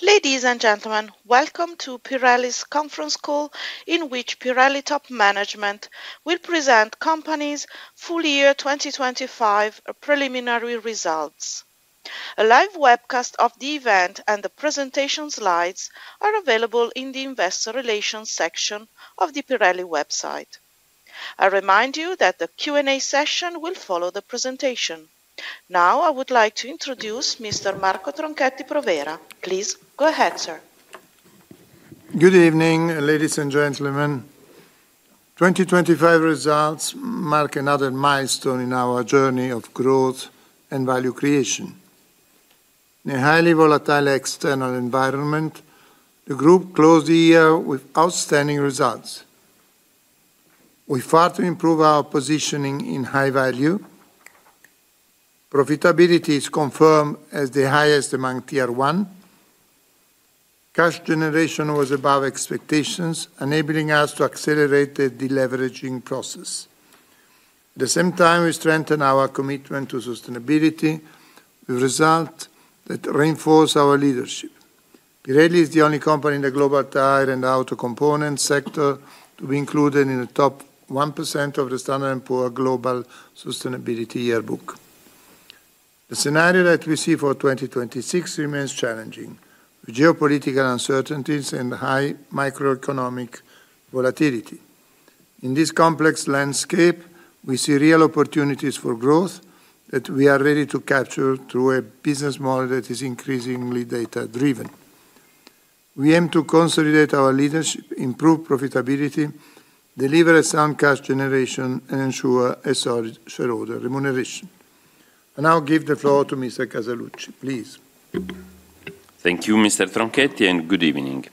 Ladies and gentle`men, welcome to Pirelli's Conference Call, in which Pirelli top management will present company's full year 2025 preliminary results. A live webcast of the event and the presentation slides are available in the Investor Relations section of the Pirelli website. I remind you that the Q&A session will follow the presentation. I would like to introduce Mr. Marco Tronchetti Provera. Please, go ahead, sir. Good evening, ladies and gentlemen. 2025 results mark another milestone in our journey of growth and value creation. In a highly volatile external environment, the group closed the year with outstanding results. We far to improve our positioning in high value. Profitability is confirmed as the highest among Tier One. Cash generation was above expectations, enabling us to accelerate the deleveraging process. At the same time, we strengthen our commitment to sustainability, the result that reinforce our leadership. Pirelli is the only company in the global tire and auto component sector to be included in the top 1% of the S&P Global Sustainability Yearbook. The scenario that we see for 2026 remains challenging, with geopolitical uncertainties and high microeconomic volatility. In this complex landscape, we see real opportunities for growth that we are ready to capture through a business model that is increasingly data-driven. We aim to consolidate our leadership, improve profitability, deliver a sound cash generation, and ensure a solid shareholder remuneration. I now give the floor to Mr. Casaluci, please. Thank you, Mr. Tronchetti, good evening.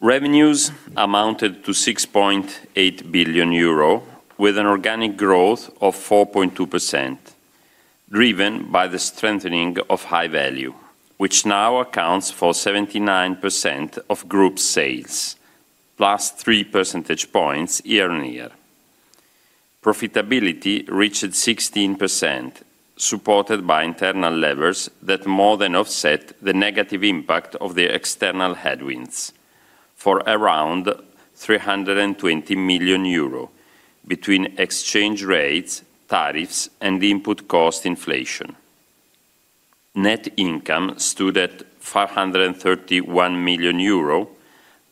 Revenues amounted to 6.8 billion euro, with an organic growth of 4.2%, driven by the strengthening of high value, which now accounts for 79% of group sales, +3% year-over-year. Profitability reached 16%, supported by internal levers that more than offset the negative impact of the external headwinds for around 320 million euro between exchange rates, tariffs, and input cost inflation. Net income stood at 531 million euro,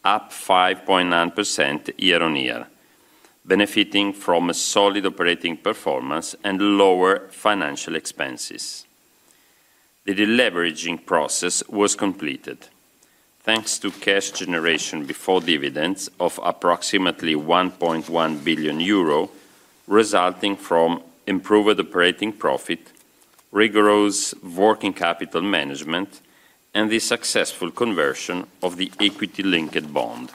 up 5.9% year-over-year, benefiting from a solid operating performance and lower financial expenses. The deleveraging process was completed, thanks to cash generation before dividends of approximately 1.1 billion euro, resulting from improved operating profit, rigorous working capital management, and the successful conversion of the equity-linked bond.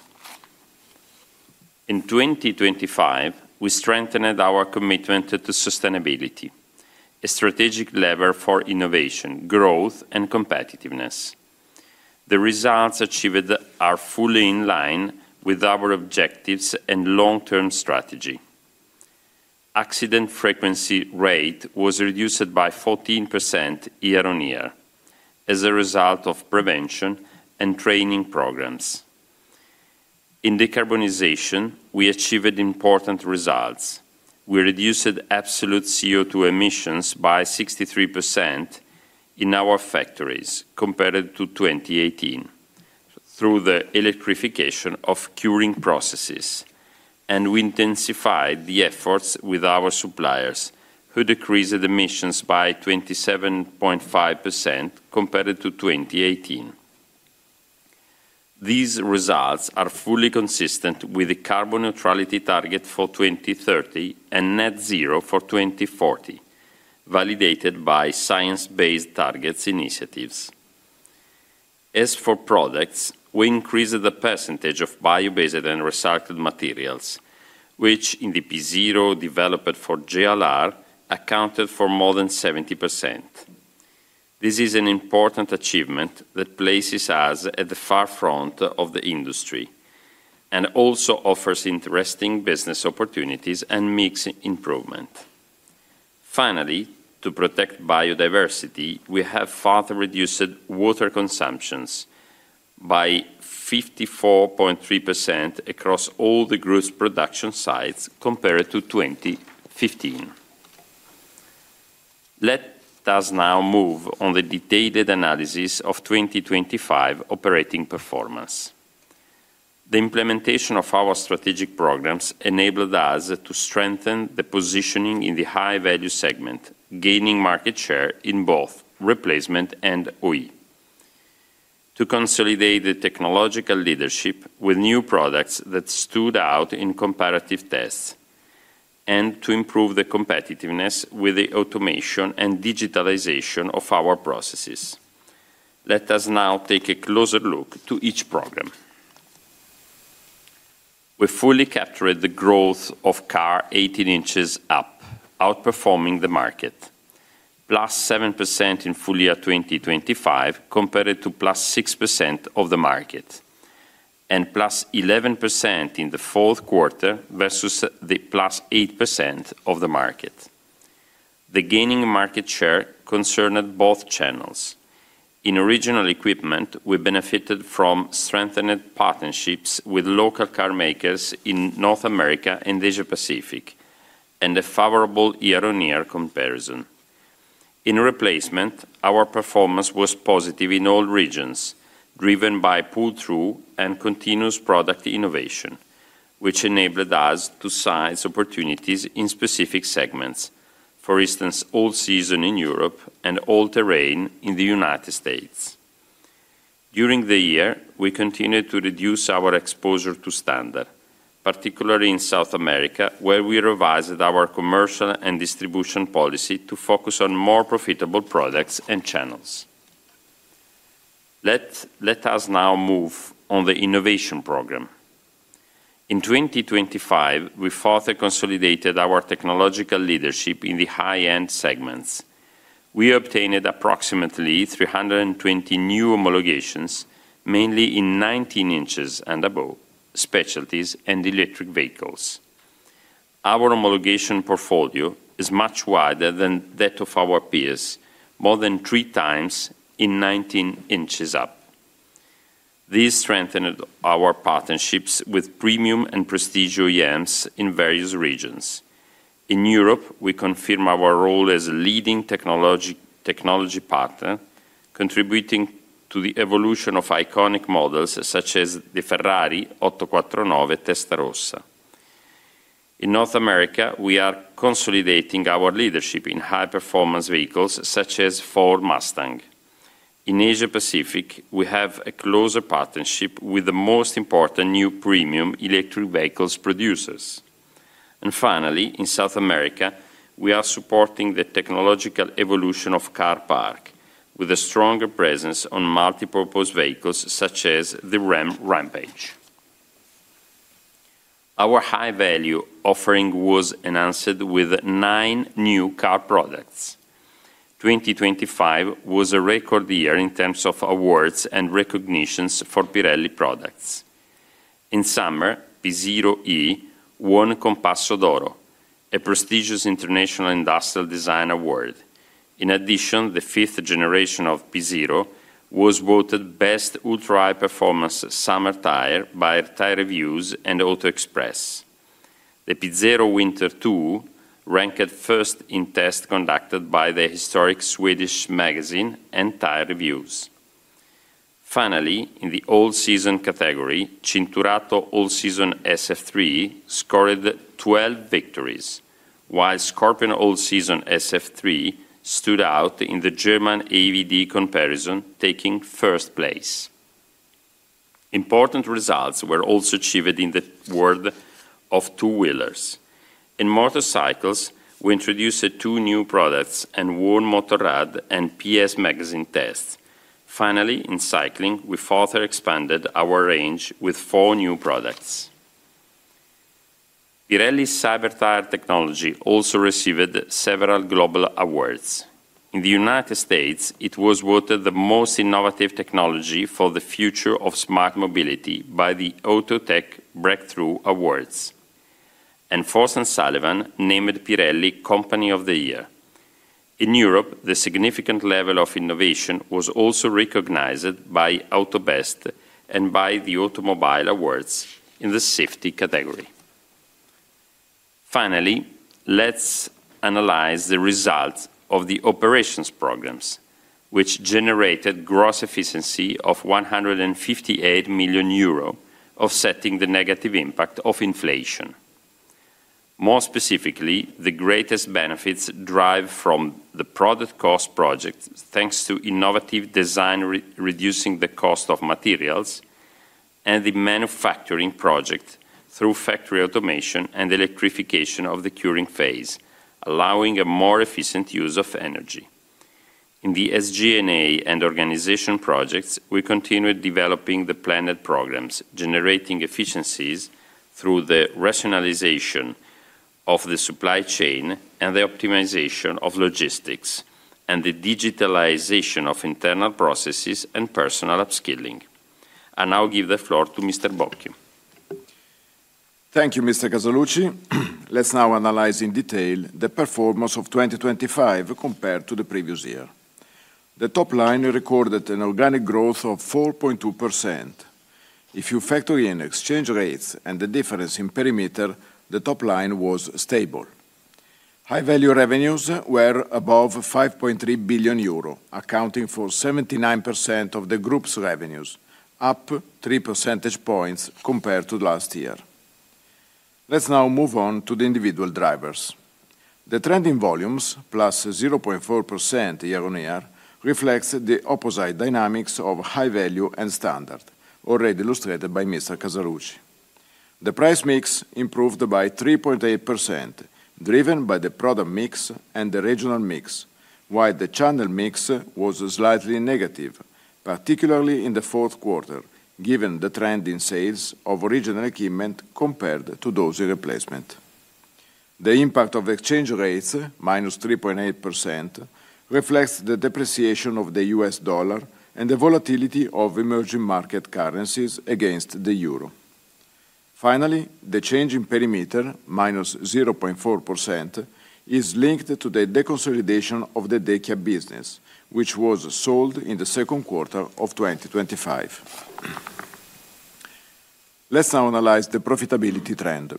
In 2025, we strengthened our commitment to sustainability, a strategic lever for innovation, growth, and competitiveness. The results achieved are fully in line with our objectives and long-term strategy. Accident frequency rate was reduced by 14% year-over-year, as a result of prevention and training programs. In decarbonization, we achieved important results. We reduced absolute CO₂ emissions by 63% in our factories compared to 2018, through the electrification of curing processes, and we intensified the efforts with our suppliers, who decreased emissions by 27.5% compared to 2018. These results are fully consistent with the carbon neutrality target for 2030 and net zero for 2040, validated by Science Based Targets initiatives. As for products, we increased the percentage of bio-based and recycled materials, which in the P Zero developed for JLR, accounted for more than 70%. This is an important achievement that places us at the far front of the industry and also offers interesting business opportunities and mix improvement. Finally, to protect biodiversity, we have further reduced water consumptions by 54.3% across all the gross production sites compared to 2015. Let us now move on the detailed analysis of 2025 operating performance. The implementation of our strategic programs enabled us to strengthen the positioning in the high value segment, gaining market share in both replacement and OE. To consolidate the technological leadership with new products that stood out in comparative tests, and to improve the competitiveness with the automation and digitalization of our processes. Let us now take a closer look to each program. We fully captured the growth of car 18 inches up, outperforming the market, +7% in full year 2025, compared to +6% of the market, and +11% in Q4 versus the +8% of the market. The gaining market share concerned both channels. In original equipment, we benefited from strengthened partnerships with local car makers in North America and Asia Pacific, and a favorable year-on-year comparison. In replacement, our performance was positive in all regions, driven by pull-through and continuous product innovation, which enabled us to seize opportunities in specific segments. For instance, all-season in Europe and all-terrain in the United States. During the year, we continued to reduce our exposure to standard, particularly in South America, where we revised our commercial and distribution policy to focus on more profitable products and channels. Let us now move on the innovation program. In 2025, we further consolidated our technological leadership in the high-end segments. We obtained approximately 320 new homologations, mainly in 19 inches and above, specialties, and electric vehicles. Our homologation portfolio is much wider than that of our peers, more than 3x in 19 inches up. This strengthened our partnerships with premium and prestigious OEMs in various regions. In Europe, we confirm our role as a leading technology partner, contributing to the evolution of iconic models, such as the Ferrari 849 Testarossa. In North America, we are consolidating our leadership in high-performance vehicles, such as Ford Mustang. In Asia Pacific, we have a closer partnership with the most important new premium electric vehicles producers. Finally, in South America, we are supporting the technological evolution of car park, with a stronger presence on multipurpose vehicles, such as the Ram Rampage. Our high-value offering was enhanced with nine new car products. 2025 was a record year in terms of awards and recognitions for Pirelli products. In summer, P Zero E won Compasso d'Oro, a prestigious international industrial design award. In addition, the fifth generation of P Zero was voted Best Ultra-High Performance Summer Tire by Tyre Reviews and Auto Express. The P Zero Winter 2 ranked first in test conducted by the historic Swedish magazine and Tyre Reviews. Finally, in the all-season category, Cinturato All Season SF3 scored 12 victories, while Scorpion All Season SF3 stood out in the German AvD comparison, taking first place. Important results were also achieved in the world of two-wheelers. In motorcycles, we introduced two new products and won Motorrad and PS Magazine tests. Finally, in cycling, we further expanded our range with four new products. Pirelli's Cyber Tyre technology also received several global awards. In the United States, it was voted the most innovative technology for the future of smart mobility by the AutoTech Breakthrough Awards. Frost & Sullivan named Pirelli Company of the Year. In Europe, the significant level of innovation was also recognized by AUTOBEST and by the Automobile Awards in the safety category. Finally, let's analyze the results of the operations programs, which generated gross efficiency of 158 million euro, offsetting the negative impact of inflation. More specifically, the greatest benefits drive from the product cost project, thanks to innovative design reducing the cost of materials and the manufacturing project through factory automation and electrification of the curing phase, allowing a more efficient use of energy. In the SG&A and organization projects, we continued developing the planned programs, generating efficiencies through the rationalization of the supply chain and the optimization of logistics and the digitalization of internal processes and personal upskilling. I now give the floor to Mr. Bocchio. Thank you, Mr. Casaluci. Let's now analyze in detail the performance of 2025 compared to the previous year. The top line recorded an organic growth of 4.2%. If you factor in exchange rates and the difference in perimeter, the top line was stable. High-value revenues were above 5.3 billion euro, accounting for 79% of the group's revenues, up 3% compared to last year. Let's now move on to the individual drivers. The trend in volumes, plus 0.4% year-over-year, reflects the opposite dynamics of high value and standard, already illustrated by Mr. Casaluci. The price mix improved by 3.8%, driven by the product mix and the regional mix, while the channel mix was slightly negative, particularly in the fourth quarter, given the trend in sales of original equipment compared to those in replacement. The impact of exchange rates, -3.8%, reflects the depreciation of the U.S. dollar and the volatility of emerging market currencies against the euro. The change in perimeter, -0.4%, is linked to the deconsolidation of the Deca business, which was sold in the second quarter of 2025. Let's now analyze the profitability trend.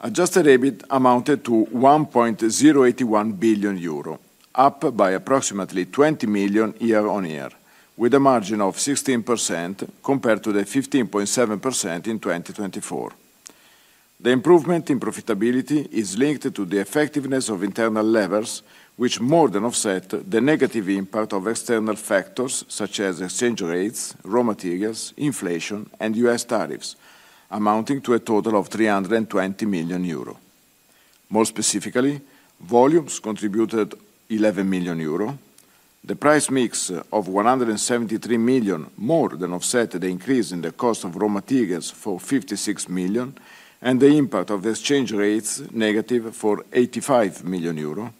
Adjusted EBIT amounted to 1.081 billion euro, up by approximately 20 million year-on-year, with a margin of 16% compared to the 15.7% in 2024. The improvement in profitability is linked to the effectiveness of internal levers, which more than offset the negative impact of external factors such as exchange rates, raw materials, inflation, and U.S. tariffs, amounting to a total of 320 million euro. More specifically, volumes contributed 11 million euro. The price mix of 173 million more than offset the increase in the cost of raw materials for 56 million, and the impact of the exchange rates negative for 85 million euro.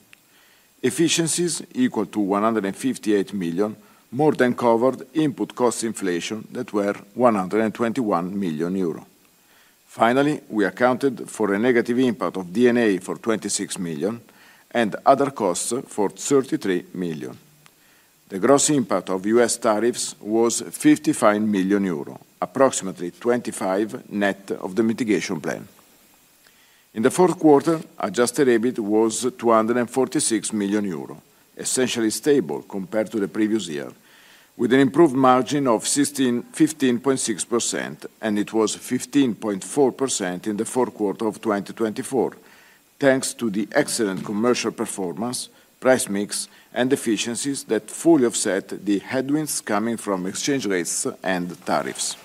Efficiencies equal to 158 million, more than covered input cost inflation that were 121 million euro. Finally, we accounted for a negative impact of D&A for 26 million and other costs for 33 million. The gross impact of U.S. tariffs was 55 million euro, approximately 25 net of the mitigation plan. In the fourth quarter, Adjusted EBIT was 246 million euro, essentially stable compared to the previous year, with an improved margin of 15.6%, and it was 15.4% in the fourth quarter of 2024, thanks to the excellent commercial performance, price mix, and efficiencies that fully offset the headwinds coming from exchange rates and tariffs.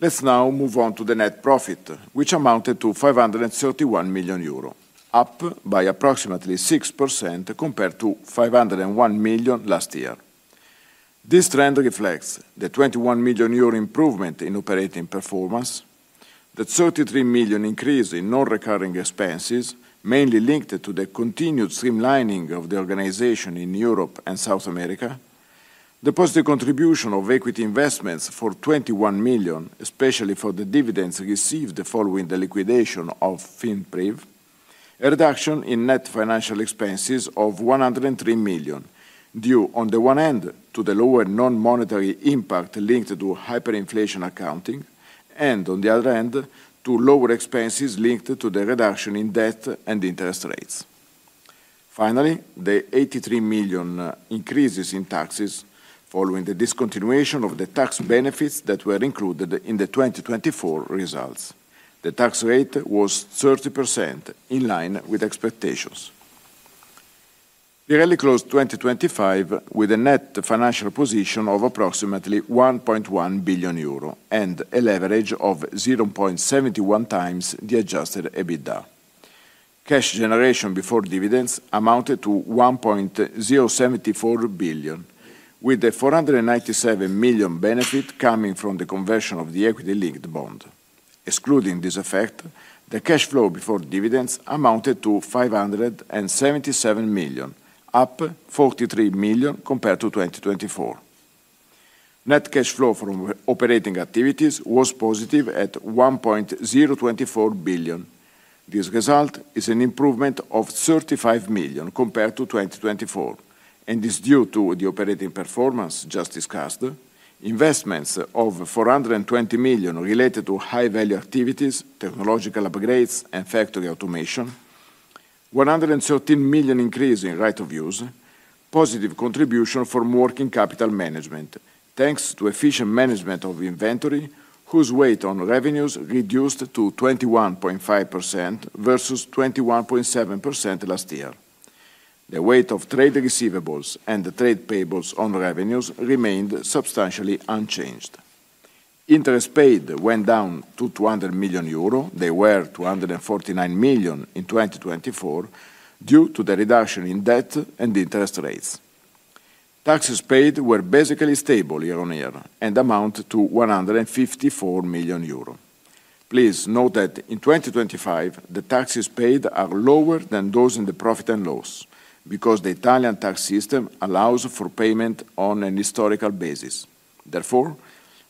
Let's now move on to the net profit, which amounted to 531 million euro, up by approximately 6% compared to 501 million last year. This trend reflects the 21 million euro improvement in operating performance, the 33 million increase in non-recurring expenses, mainly linked to the continued streamlining of the organization in Europe and South America, the positive contribution of equity investments for 21 million, especially for the dividends received following the liquidation of Finpriv, a reduction in net financial expenses of 103 million, due, on the one hand, to the lower non-monetary impact linked to hyperinflation accounting, and on the other hand, to lower expenses linked to the reduction in debt and interest rates. Finally, the 83 million increases in taxes following the discontinuation of the tax benefits that were included in the 2024 results. The tax rate was 30%, in line with expectations. Pirelli closed 2025 with a net financial position of approximately 1.1 billion euro, and a leverage of 0.71 times the Adjusted EBITDA. Cash generation before dividends amounted to 1.074 billion, with the 497 million benefit coming from the conversion of the equity-linked bond. Excluding this effect, the cash flow before dividends amounted to 577 million, up 43 million compared to 2024. Net cash flow from operating activities was positive at 1.024 billion. This result is an improvement of 35 million compared to 2024 and is due to the operating performance just discussed, investments of 420 million related to high-value activities, technological upgrades, and factory automation, 113 million increase in right of use, positive contribution from working capital management, thanks to efficient management of inventory, whose weight on revenues reduced to 21.5% versus 21.7% last year. The weight of trade receivables and the trade payables on revenues remained substantially unchanged. Interest paid went down to 200 million euro. They were 249 million in 2024, due to the reduction in debt and interest rates. Taxes paid were basically stable year-on-year and amount to 154 million euro. Please note that in 2025, the taxes paid are lower than those in the profit and loss, because the Italian tax system allows for payment on an historical basis.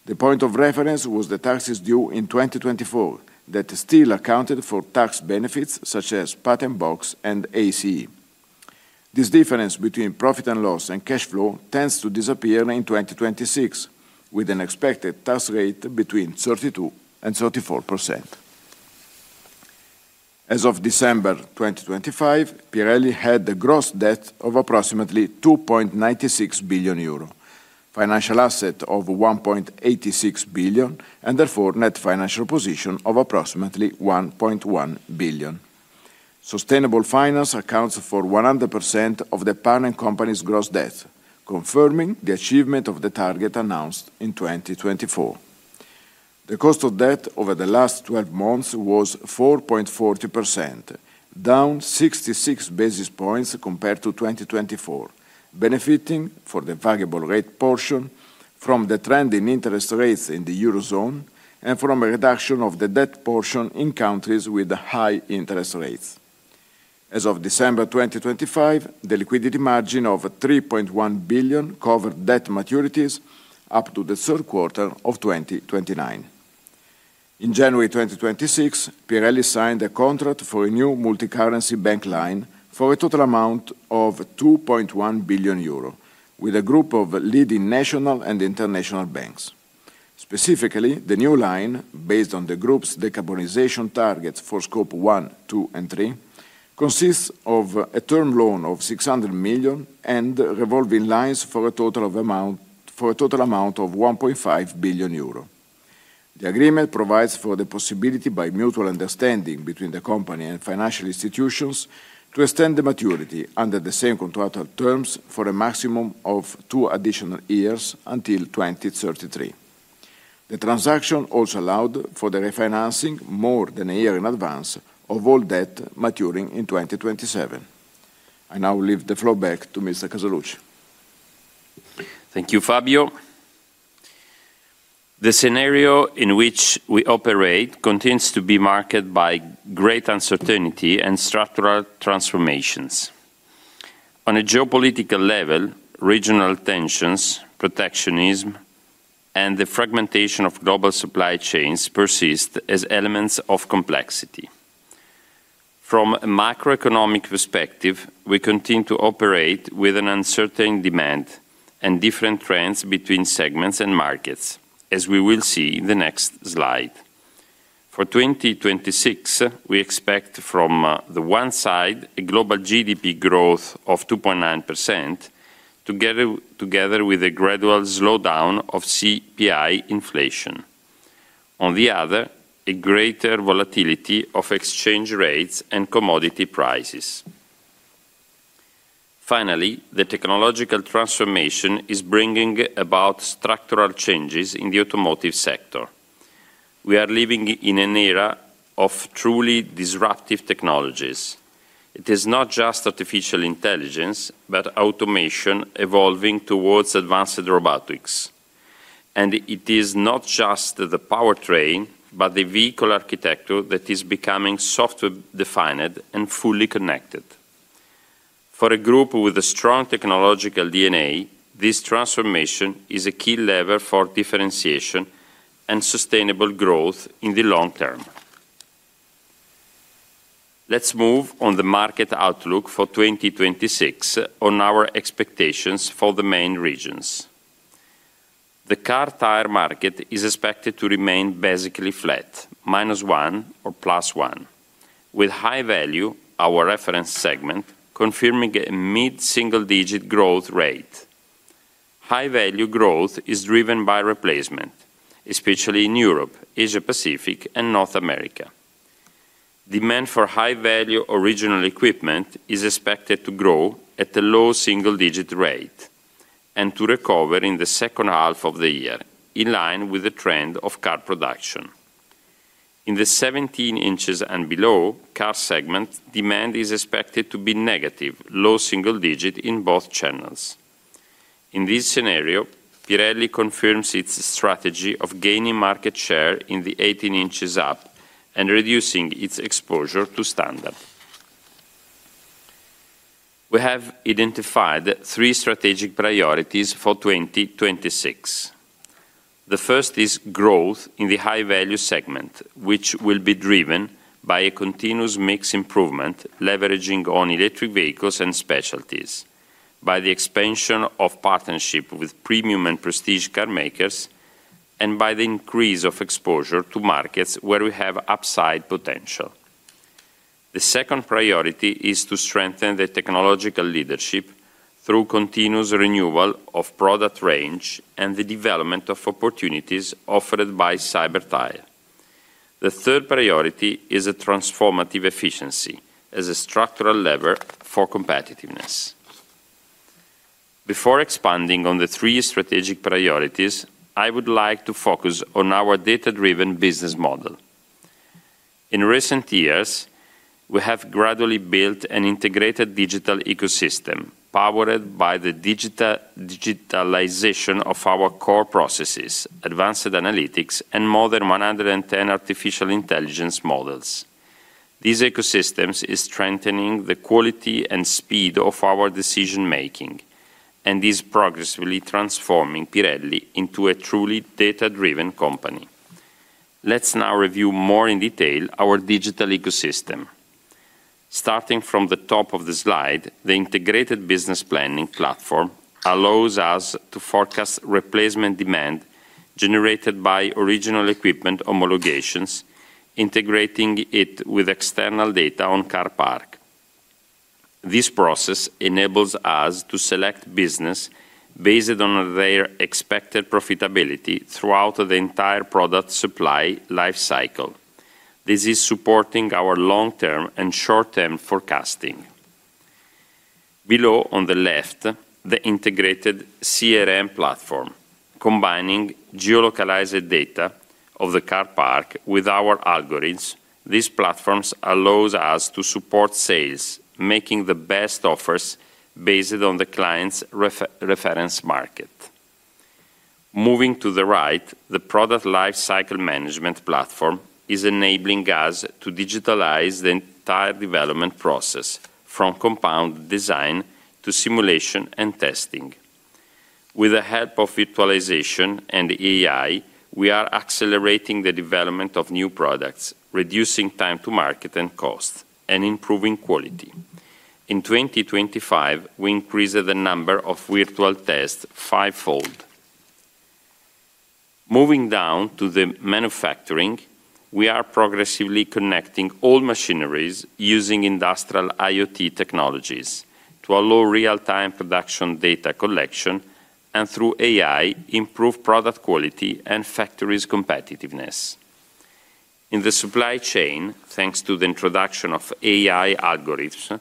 The point of reference was the taxes due in 2024, that still accounted for tax benefits such as Patent Box and ACE. This difference between profit and loss and cash flow tends to disappear in 2026, with an expected tax rate between 32% and 34%. As of December 2025, Pirelli had a gross debt of approximately 2.96 billion euro, financial asset of 1.86 billion, and therefore, net financial position of approximately 1.1 billion. Sustainable finance accounts for 100% of the parent company's gross debt, confirming the achievement of the target announced in 2024. The cost of debt over the last 12 months was 4.40%, down 66 basis points compared to 2024, benefiting for the variable rate portion from the trend in interest rates in the Eurozone, and from a reduction of the debt portion in countries with high interest rates. As of December 2025, the liquidity margin of 3.1 billion covered debt maturities up to the third quarter of 2029. In January 2026, Pirelli signed a contract for a new multicurrency bank line for a total amount of 2.1 billion euro, with a group of leading national and international banks. Specifically, the new line, based on the group's decarbonization targets for Scope 1, 2, and 3, consists of a term loan of 600 million and revolving lines for a total amount of 1.5 billion euro. The agreement provides for the possibility by mutual understanding between the company and financial institutions to extend the maturity under the same contracted terms for a maximum of two additional years until 2033. The transaction also allowed for the refinancing more than a year in advance of all debt maturing in 2027. I now leave the floor back to Mr. Casaluci. Thank you, Fabio. The scenario in which we operate continues to be marked by great uncertainty and structural transformations. On a geopolitical level, regional tensions, protectionism, and the fragmentation of global supply chains persist as elements of complexity. From a macroeconomic perspective, we continue to operate with an uncertain demand and different trends between segments and markets, as we will see in the next slide. For 2026, we expect from the one side, a global GDP growth of 2.9%, together with a gradual slowdown of CPI inflation. On the other, a greater volatility of exchange rates and commodity prices. Finally, the technological transformation is bringing about structural changes in the automotive sector. We are living in an era of truly disruptive technologies. It is not just artificial intelligence, but automation evolving towards advanced robotics. It is not just the powertrain, but the vehicle architecture that is becoming software-defined and fully connected. For a group with a strong technological DNA, this transformation is a key lever for differentiation and sustainable growth in the long term. Let's move on the market outlook for 2026 on our expectations for the main regions. The car tire market is expected to remain basically flat, -1% or +1%, with high value, our reference segment, confirming a mid-single-digit growth rate. High-value growth is driven by replacement, especially in Europe, Asia-Pacific, and North America. Demand for high-value original equipment is expected to grow at a low single-digit rate and to recover in the second half of the year, in line with the trend of car production. In the 17 inches and below car segment, demand is expected to be negative, low single-digit in both channels. In this scenario, Pirelli confirms its strategy of gaining market share in the 18 inches up and reducing its exposure to standard. We have identified three strategic priorities for 2026. The first is growth in the high-value segment, which will be driven by a continuous mix improvement, leveraging on electric vehicles and specialties, by the expansion of partnership with premium and prestige car makers, and by the increase of exposure to markets where we have upside potential. The second priority is to strengthen the technological leadership through continuous renewal of product range and the development of opportunities offered by Cyber Tyre. The third priority is a transformative efficiency as a structural lever for competitiveness. Before expanding on the 3 strategic priorities, I would like to focus on our data-driven business model. In recent years, we have gradually built an integrated digital ecosystem, powered by the digitalization of our core processes, advanced analytics, and more than 110 artificial intelligence models. These ecosystems is strengthening the quality and speed of our decision making and is progressively transforming Pirelli into a truly data-driven company. Let's now review more in detail our digital ecosystem. Starting from the top of the slide, the integrated business planning platform allows us to forecast replacement demand generated by original equipment homologations, integrating it with external data on car park. This process enables us to select business based on their expected profitability throughout the entire product supply life cycle. This is supporting our long-term and short-term forecasting. Below, on the left, the integrated CRM platform, combining geolocalized data of the car park with our algorithms, these platforms allows us to support sales, making the best offers based on the client's reference market. Moving to the right, the product lifecycle management platform is enabling us to digitalize the entire development process, from compound design to simulation and testing. With the help of virtualization and AI, we are accelerating the development of new products, reducing time to market and cost, and improving quality. In 2025, we increased the number of virtual tests fivefold. Moving down to the manufacturing, we are progressively connecting all machineries using industrial IoT technologies to allow real-time production data collection, and through AI, improve product quality and factory's competitiveness. In the supply chain, thanks to the introduction of AI algorithms,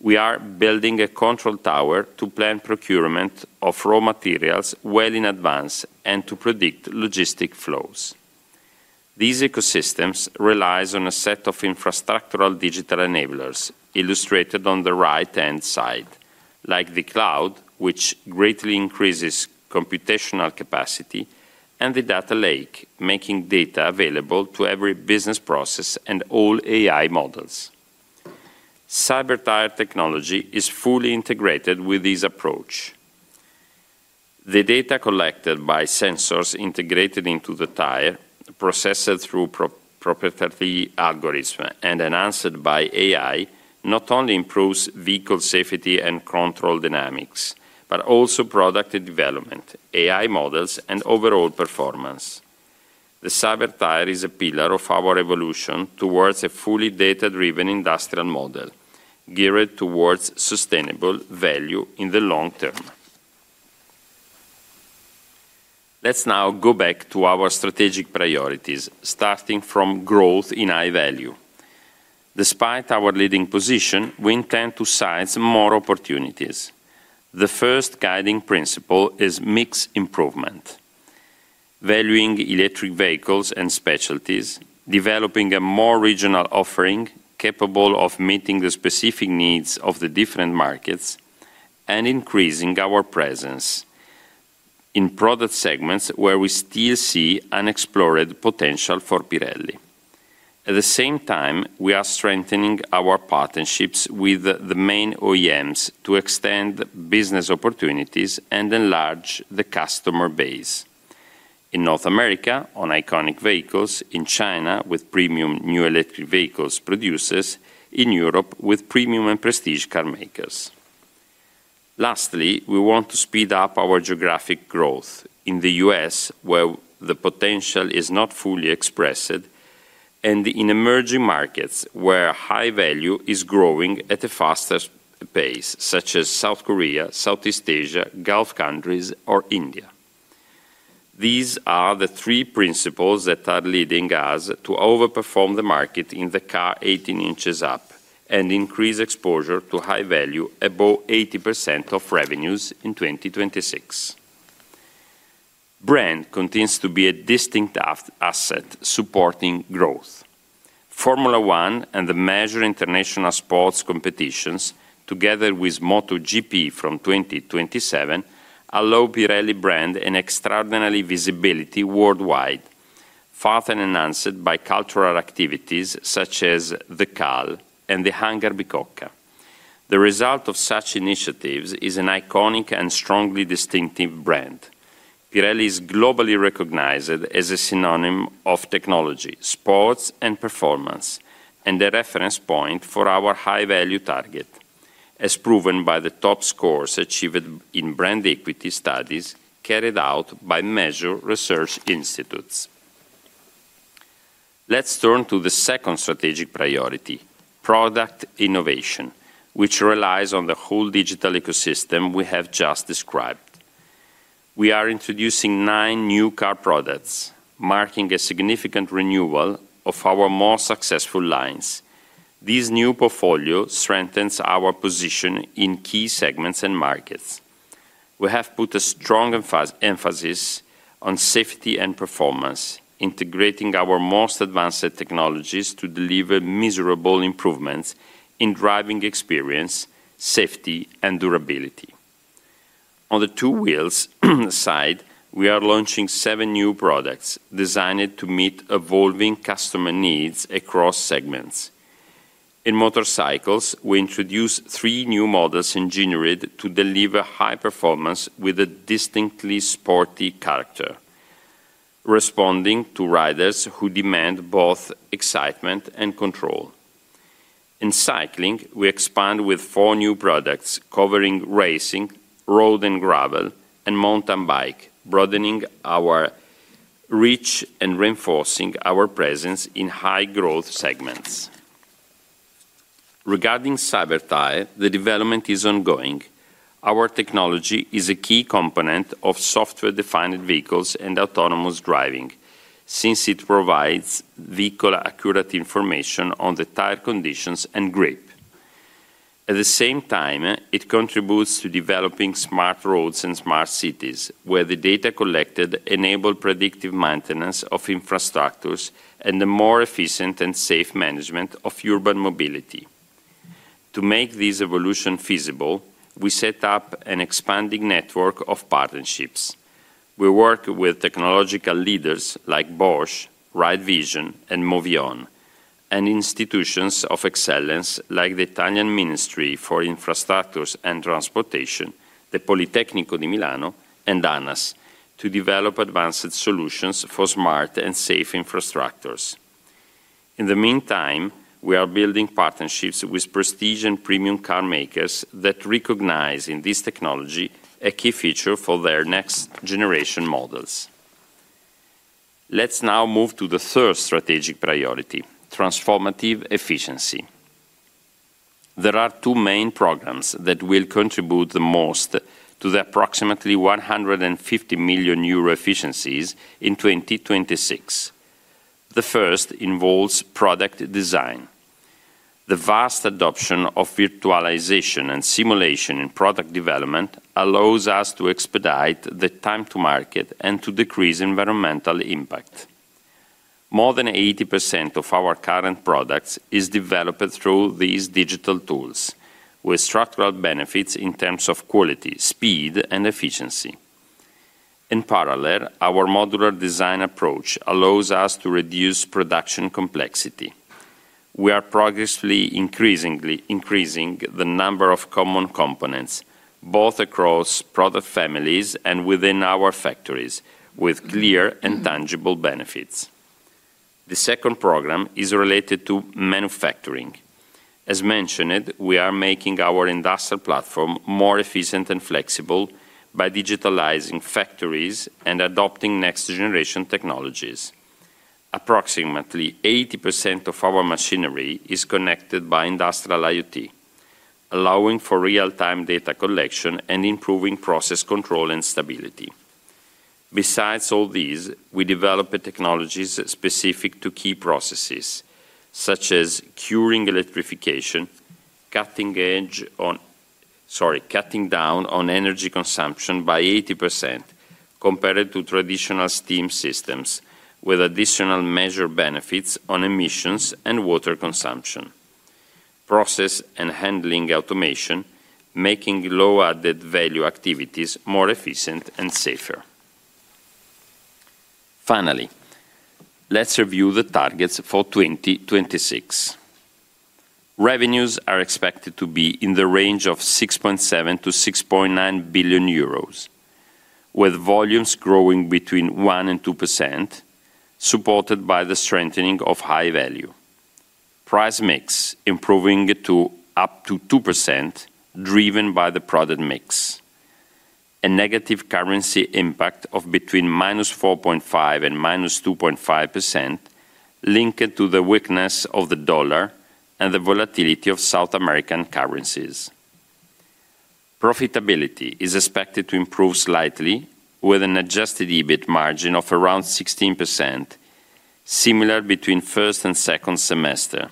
we are building a control tower to plan procurement of raw materials well in advance and to predict logistic flows. These ecosystems relies on a set of infrastructural digital enablers illustrated on the right-hand side, like the cloud, which greatly increases computational capacity, and the data lake, making data available to every business process and all AI models. Cyber Tyre technology is fully integrated with this approach. The data collected by sensors integrated into the tire, processed through proprietary algorithms, and enhanced by AI, not only improves vehicle safety and control dynamics, but also product development, AI models, and overall performance. The Cyber Tyre is a pillar of our evolution towards a fully data-driven industrial model, geared towards sustainable value in the long term. Let's now go back to our strategic priorities, starting from growth in high value. Despite our leading position, we intend to seize more opportunities. The first guiding principle is mix improvement, valuing electric vehicles and specialties, developing a more regional offering capable of meeting the specific needs of the different markets, and increasing our presence in product segments where we still see unexplored potential for Pirelli. At the same time, we are strengthening our partnerships with the main OEMs to extend business opportunities and enlarge the customer base. In North America, on iconic vehicles, in China, with premium new electric vehicles producers, in Europe, with premium and prestige car makers. Lastly, we want to speed up our geographic growth. In the U.S., where the potential is not fully expressed, and in emerging markets, where high value is growing at a faster pace, such as South Korea, Southeast Asia, Gulf countries, or India. These are the three principles that are leading us to overperform the market in the car 18 inches up and increase exposure to high value above 80% of revenues in 2026. Brand continues to be a distinct asset, supporting growth. Formula One and the major international sports competitions, together with MotoGP from 2027, allow Pirelli brand an extraordinary visibility worldwide, further enhanced by cultural activities such as The Cal and the HangarBicocca. The result of such initiatives is an iconic and strongly distinctive brand. Pirelli is globally recognized as a synonym of technology, sports, and performance, and a reference point for our high-value target, as proven by the top scores achieved in brand equity studies carried out by major research institutes. Let's turn to the second strategic priority, product innovation, which relies on the whole digital ecosystem we have just described. We are introducing 9 new car products, marking a significant renewal of our more successful lines. This new portfolio strengthens our position in key segments and markets. We have put a strong emphasis on safety and performance, integrating our most advanced technologies to deliver measurable improvements in driving experience, safety, and durability. On the two wheels side, we are launching seven new products designed to meet evolving customer needs across segments. In motorcycles, we introduce 3 new models engineered to deliver high performance with a distinctly sporty character, responding to riders who demand both excitement and control. In cycling, we expand with 4 new products covering racing, road and gravel, and mountain bike, broadening our reach and reinforcing our presence in high-growth segments. Regarding Cyber Tyre, the development is ongoing. Our technology is a key component of software-defined vehicles and autonomous driving, since it provides vehicle accurate information on the tire conditions and grip. At the same time, it contributes to developing smart roads and smart cities, where the data collected enable predictive maintenance of infrastructures and a more efficient and safe management of urban mobility. To make this evolution feasible, we set up an expanding network of partnerships. We work with technological leaders like Bosch, Ride Vision, and Movyon, and institutions of excellence like the Italian Ministry for Infrastructures and Transportation, the Politecnico di Milano, and Anas, to develop advanced solutions for smart and safe infrastructures. In the meantime, we are building partnerships with prestige and premium car makers that recognize in this technology a key feature for their next generation models. Let's now move to the third strategic priority: transformative efficiency. There are two main programs that will contribute the most to the approximately 150 million euro efficiencies in 2026. The first involves product design. The vast adoption of virtualization and simulation in product development allows us to expedite the time to market and to decrease environmental impact. More than 80% of our current products is developed through these digital tools, with structural benefits in terms of quality, speed, and efficiency. In parallel, our modular design approach allows us to reduce production complexity. We are progressively increasing the number of common components, both across product families and within our factories, with clear and tangible benefits. The second program is related to manufacturing. As mentioned, we are making our industrial platform more efficient and flexible by digitalizing factories and adopting next-generation technologies. Approximately 80% of our machinery is connected by industrial IoT, allowing for real-time data collection and improving process control and stability. Besides all these, we develop technologies specific to key processes, such as curing electrification, cutting down on energy consumption by 80% compared to traditional steam systems, with additional measure benefits on emissions and water consumption. Process and handling automation, making low added value activities more efficient and safer. Finally, let's review the targets for 2026. Revenues are expected to be in the range of 6.7 billion-6.9 billion euros, with volumes growing between 1% and 2%, supported by the strengthening of high value. Price mix, improving it to up to 2%, driven by the product mix. A negative currency impact of between -4.5% and -2.5%, linked to the weakness of the dollar and the volatility of South American currencies. Profitability is expected to improve slightly, with an Adjusted EBIT margin of around 16%, similar between first and second semester,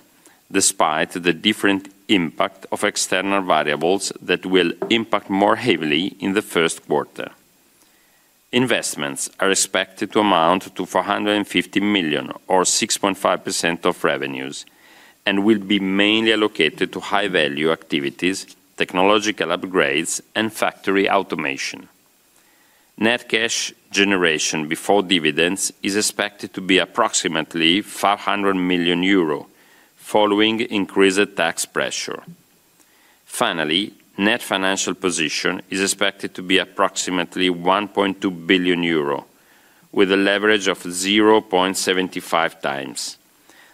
despite the different impact of external variables that will impact more heavily in the first quarter. Investments are expected to amount to 450 million or 6.5% of revenues and will be mainly allocated to high-value activities, technological upgrades, and factory automation. Net cash generation before dividends is expected to be approximately 500 million euro, following increased tax pressure. Finally, net financial position is expected to be approximately 1.2 billion euro, with a leverage of 0.75 times.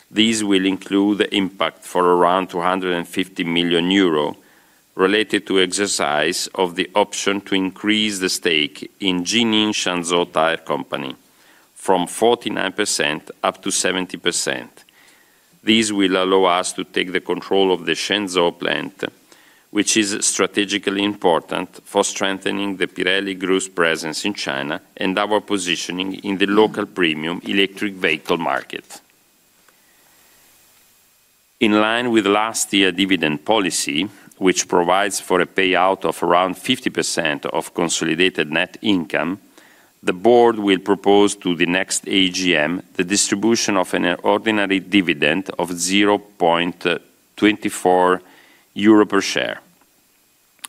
This will include the impact for around 250 million euro related to exercise of the option to increase the stake in Jining Shenzhou Tyre Co. from 49% up to 70%. This will allow us to take the control of the Shenzhou plant, which is strategically important for strengthening the Pirelli Group's presence in China and our positioning in the local premium electric vehicle market. In line with last year's dividend policy, which provides for a payout of around 50% of consolidated net income, the board will propose to the next AGM the distribution of an ordinary dividend of 0.24 euro per share,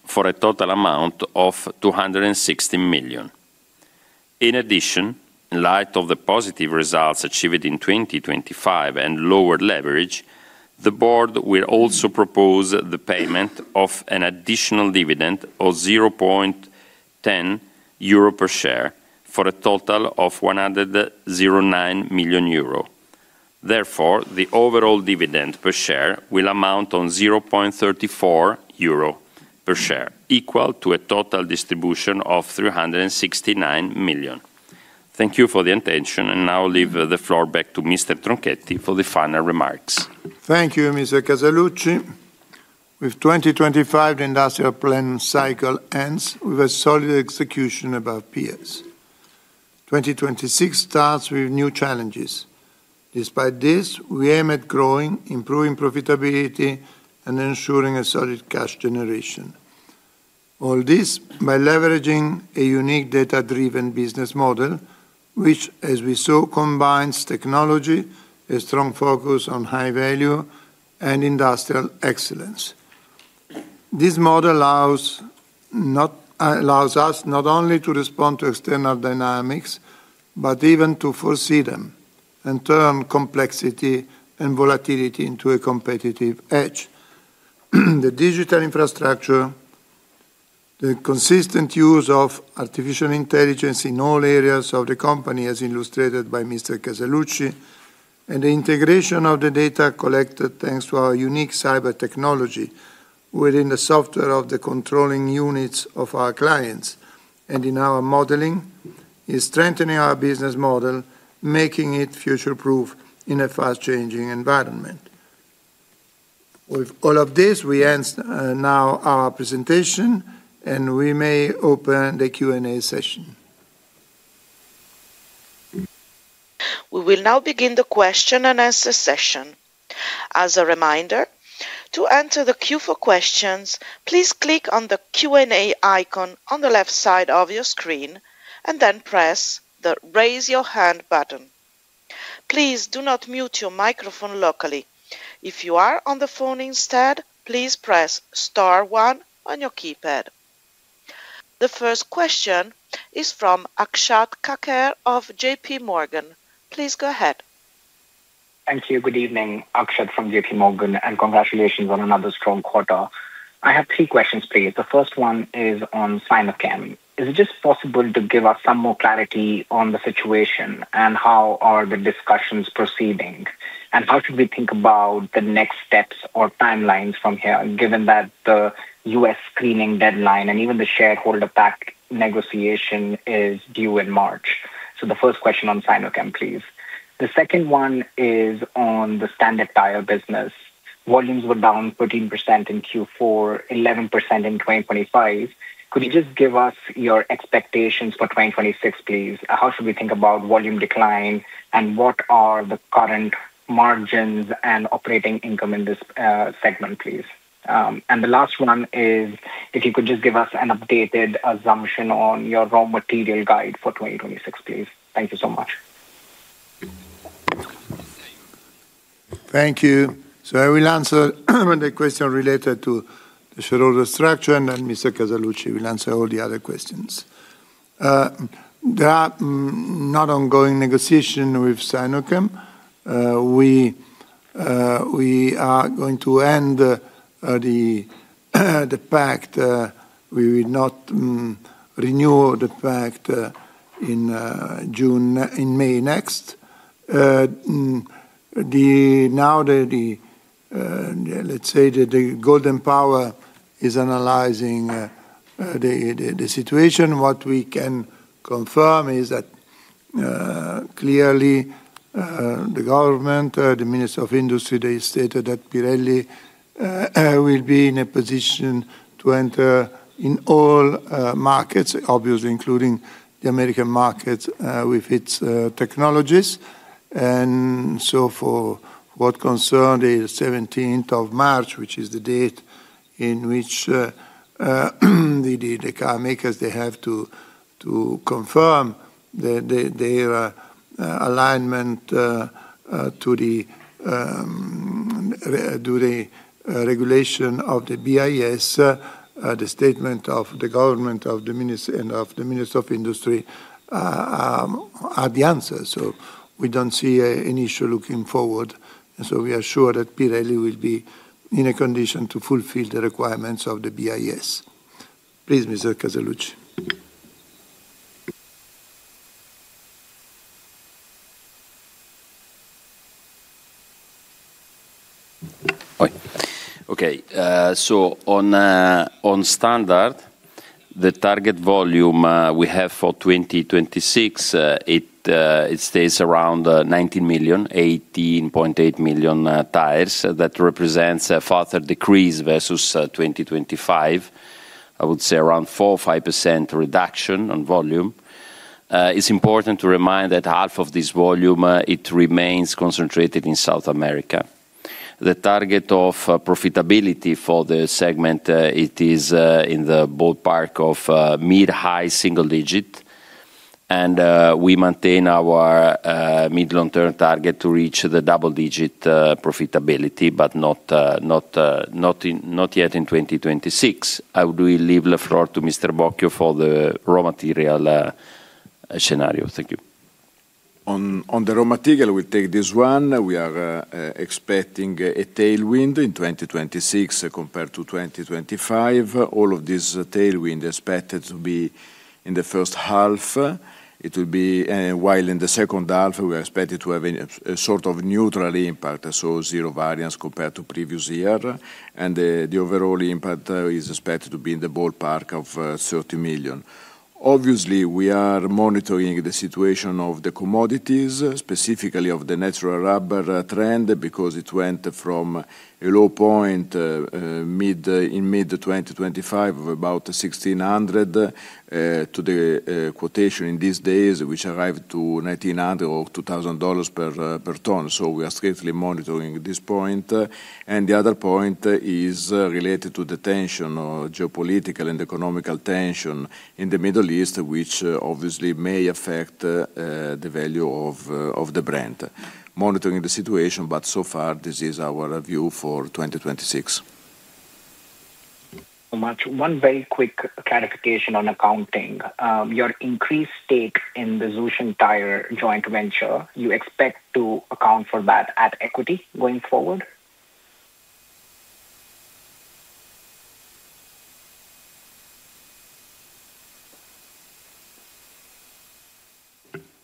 for a total amount of 260 million. In light of the positive results achieved in 2025 and lower leverage, the board will also propose the payment of an additional dividend of 0.10 euro per share, for a total of 109 million euro. The overall dividend per share will amount on 0.34 euro per share, equal to a total distribution of 369 million. Thank you for the attention, and now leave the floor back to Mr. Tronchetti for the final remarks. Thank you, Mr. Casaluci. With 2025, the industrial plan cycle ends with a solid execution about peers. 2026 starts with new challenges. Despite this, we aim at growing, improving profitability, and ensuring a solid cash generation. All this by leveraging a unique data-driven business model, which, as we saw, combines technology, a strong focus on high value, and industrial excellence. This model allows not, allows us not only to respond to external dynamics, but even to foresee them and turn complexity and volatility into a competitive edge. The digital infrastructure, the consistent use of artificial intelligence in all areas of the company, as illustrated by Mr. Casaluci, and the integration of the data collected, thanks to our unique Cyber Tyre within the software of the controlling units of our clients and in our modeling, is strengthening our business model, making it future-proof in a fast-changing environment. With all of this, we end, now our presentation, and we may open the Q&A session. We will now begin the question and answer session. As a reminder, to enter the queue for questions, please click on the Q&A icon on the left side of your screen and then press the Raise Your Hand button. Please do not mute your microphone locally. If you are on the phone instead, please press star one on your keypad. The first question is from Akshat Kacker of JPMorgan. Please go ahead. Thank you. Good evening. Akshad from JPMorgan, congratulations on another strong quarter. I have three questions for you. The first one is on Sinochem. Is it just possible to give us some more clarity on the situation, how are the discussions proceeding? How should we think about the next steps or timelines from here, given that the U.S. screening deadline and even the shareholder pact negotiation is due in March? The first question on Sinochem, please. The second one is on the standard tire business. Volumes were down 13% in Q4, 11% in 2025. Could you just give us your expectations for 2026, please? How should we think about volume decline, what are the current margins and operating income in this segment, please? The last one is if you could just give us an updated assumption on your raw material guide for 2026, please. Thank you so much. Thank you. I will answer, the question related to the shareholder structure, and then Mr. Casaluci will answer all the other questions. There are not ongoing negotiations with Sinochem. We are going to end the pact. We will not renew the pact in June, in May next. Now, let's say, the Golden Power is analyzing the situation. What we can confirm is that, clearly, the government, the Ministry of Industry, they stated that Pirelli will be in a position to enter in all markets, obviously, including the American market, with its technologies. For what concerned the 17th of March, which is the date in which the carmakers they have to confirm their alignment to the regulation of the BIS, the statement of the government and of the Ministry of Industry are the answers. We don't see any issue looking forward, we are sure that Pirelli will be in a condition to fulfill the requirements of the BIS. Please, Mr. Casaluci. Hi. Okay, so on standard, the target volume we have for 2026, it stays around 19 million, 18.8 million tires. That represents a further decrease versus 2025. I would say around 4% or 5% reduction on volume. It's important to remind that half of this volume, it remains concentrated in South America. The target of profitability for the segment, it is in the ballpark of mid-high single digit, and we maintain our mid-long-term target to reach the double-digit profitability, but not in, not yet in 2026. I will leave the floor to Mr. Bocchio for the raw material scenario. Thank you. On the raw material, we take this one. We are expecting a tailwind in 2026 compared to 2025. All of this tailwind expected to be in the first half. It will be while in the second half, we are expected to have a sort of neutral impact, so zero variance compared to previous year, and the overall impact is expected to be in the ballpark of 30 million. Obviously, we are monitoring the situation of the commodities, specifically of the natural rubber trend, because it went from a low point, mid, in mid-2025, of about 1,600 to the quotation in these days, which arrived to $1,900 or $2,000 per ton. We are strictly monitoring this point. The other point is related to the tension or geopolitical and economical tension in the Middle East, which obviously may affect the value of the brand. Monitoring the situation, but so far this is our view for 2026. Thank you so much. One very quick clarification on accounting. Your increased stake in the Shenzhou Tyre joint venture, you expect to account for that at equity going forward?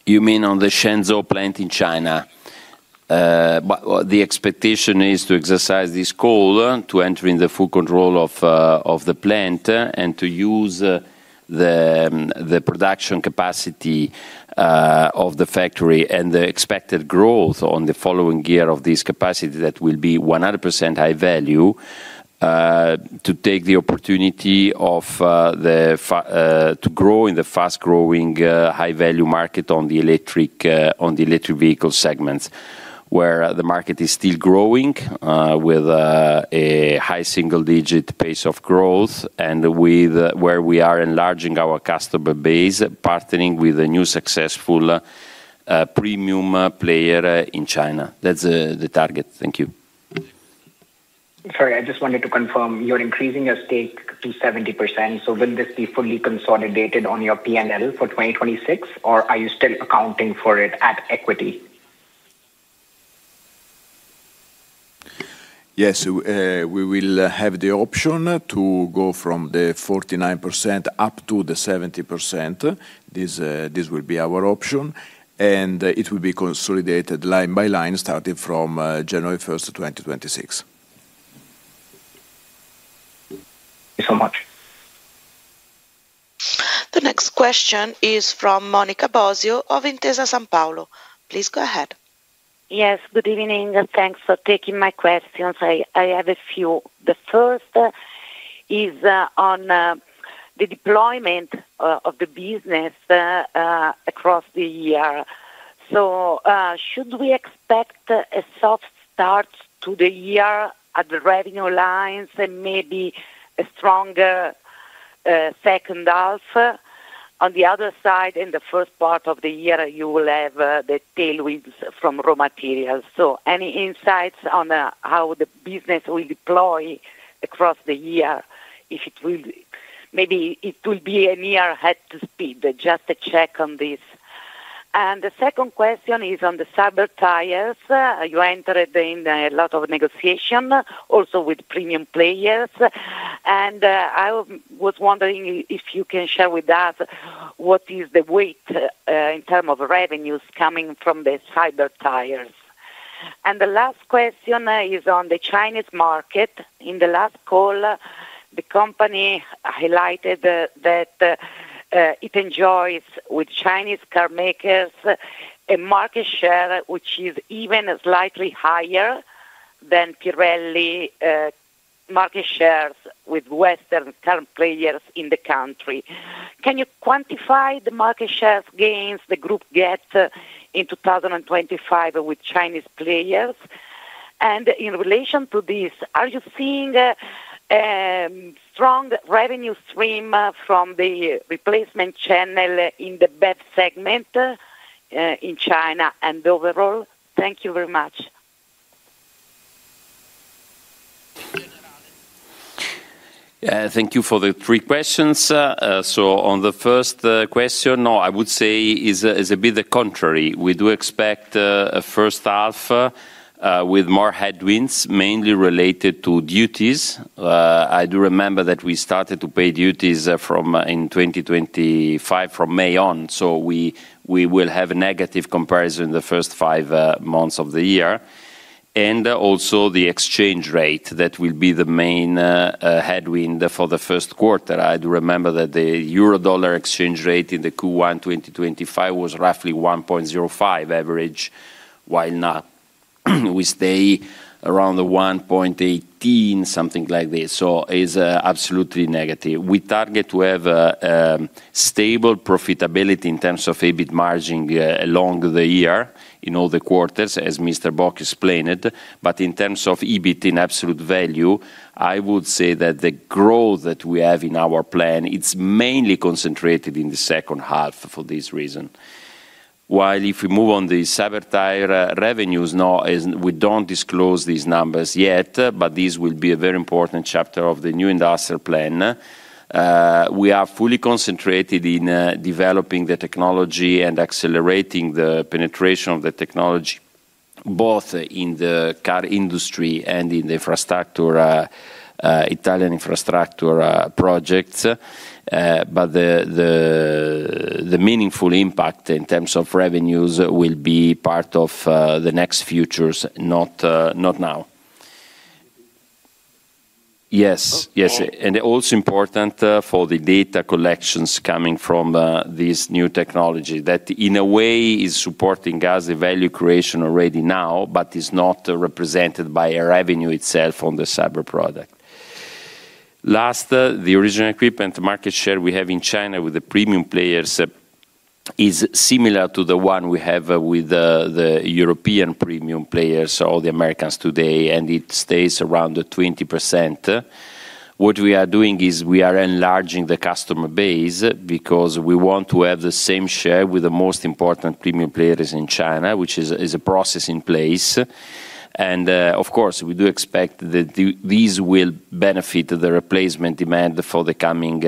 You mean on the Shenzhou plant in China? Well, the expectation is to exercise this call to entering the full control of the plant, and to use the production capacity of the factory and the expected growth on the following year of this capacity, that will be 100% high value, to take the opportunity of to grow in the fast-growing, high-value market on the electric, on the electric vehicle segments. Where the market is still growing with a high single-digit pace of growth, and with where we are enlarging our customer base, partnering with a new successful, premium player in China. That's the target. Thank you. Sorry, I just wanted to confirm, you're increasing your stake to 70%. Will this be fully consolidated on your PNL for 2026, or are you still accounting for it at equity? Yes, we will have the option to go from the 49% up to the 70%. This will be our option, and it will be consolidated line by line, starting from January 1st, 2026. Thank you so much. The next question is from Monica Bosio of Intesa Sanpaolo. Please go ahead. Yes, good evening, and thanks for taking my questions. I have a few. The first is on the deployment of the business across the year. Should we expect a soft start to the year at the revenue lines and maybe a stronger second half? On the other side, in the first part of the year, you will have the tailwinds from raw materials. Any insights on how the business will deploy across the year, if it will. Maybe it will be a near head to speed, just to check on this. The second question is on the Cyber Tyres. You entered in a lot of negotiation, also with premium players, and I was wondering if you can share with us what is the weight in terms of revenues coming from the Cyber Tyres? The last question is on the Chinese market. In the last call, the company highlighted that it enjoys with Chinese car makers, a market share, which is even slightly higher than Pirelli market shares with Western car players in the country. Can you quantify the market share gains the group get in 2025 with Chinese players? In relation to this, are you seeing strong revenue stream from the replacement channel in the bed segment in China and overall? Thank you very much. Thank you for the three questions. On the first question, no, I would say is a bit the contrary. We do expect a first half with more headwinds, mainly related to duties. I do remember that we started to pay duties from in 2025, from May on, we will have a negative comparison in the first five months of the year. Also the exchange rate, that will be the main headwind for the first quarter. I do remember that the euro-dollar exchange rate in the Q1 2025 was roughly 1.05 average, while now, we stay around the 1.18, something like this. It's absolutely negative. We target to have stable profitability in terms of EBIT margin along the year, in all the quarters, as Mr. Bäck explained. In terms of EBIT in absolute value, I would say that the growth that we have in our plan, it's mainly concentrated in the second half for this reason. While if we move on the Cyber Tyre revenues, no, as we don't disclose these numbers yet, but this will be a very important chapter of the new industrial plan. We are fully concentrated in developing the technology and accelerating the penetration of the technology, both in the car industry and in the infrastructure, Italian infrastructure projects. The meaningful impact in terms of revenues will be part of the next futures, not now. Yes, yes. Also important for the data collections coming from this new technology that in a way is supporting us the value creation already now, but is not represented by a revenue itself on the cyber product. Last, the original equipment market share we have in China with the premium players is similar to the one we have with the European premium players or the Americans today, and it stays around 20%. What we are doing is we are enlarging the customer base because we want to have the same share with the most important premium players in China, which is a process in place. Of course, we do expect that these will benefit the replacement demand for the coming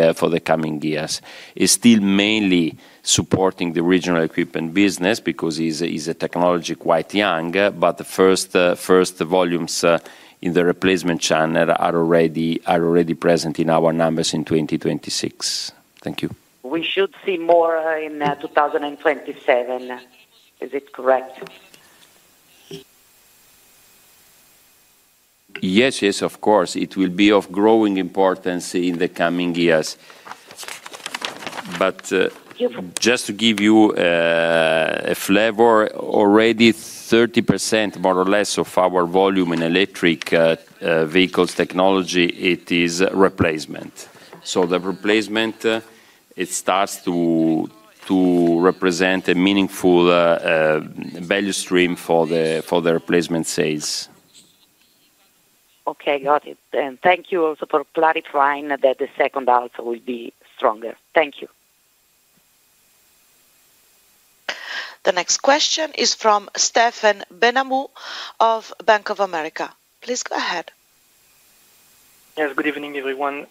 years. It's still mainly supporting the original equipment business because is a technology quite young, but the first volumes in the replacement channel are already present in our numbers in 2026. Thank you. We should see more in 2027. Is it correct? Yes, yes, of course. It will be of growing importance in the coming years. Just to give you a flavor, already 30%, more or less, of our volume in electric vehicles technology, it is replacement. The replacement, it starts to represent a meaningful value stream for the replacement sales. Okay, got it. Thank you also for clarifying that the second half will be stronger. Thank you. The next question is from Stéphane Benamou of Bank of America. Please go ahead. Yes, good evening, everyone.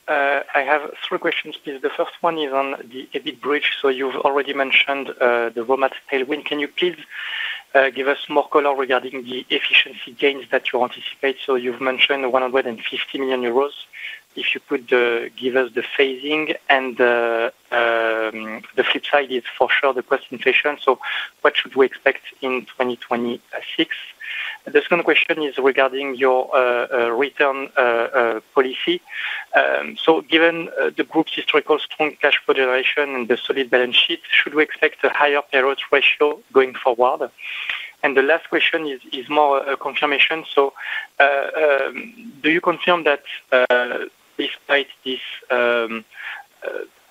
I have three questions, please. The first one is on the EBIT bridge. You've already mentioned the raw material wind. Can you please give us more color regarding the efficiency gains that you anticipate? You've mentioned 150 million euros. If you could give us the phasing and the flip side is for sure the cost inflation. What should we expect in 2026? The second question is regarding your return policy. Given the group's historical strong cash flow generation and the solid balance sheet, should we expect a higher payout ratio going forward? The last question is more a confirmation. Do you confirm that despite this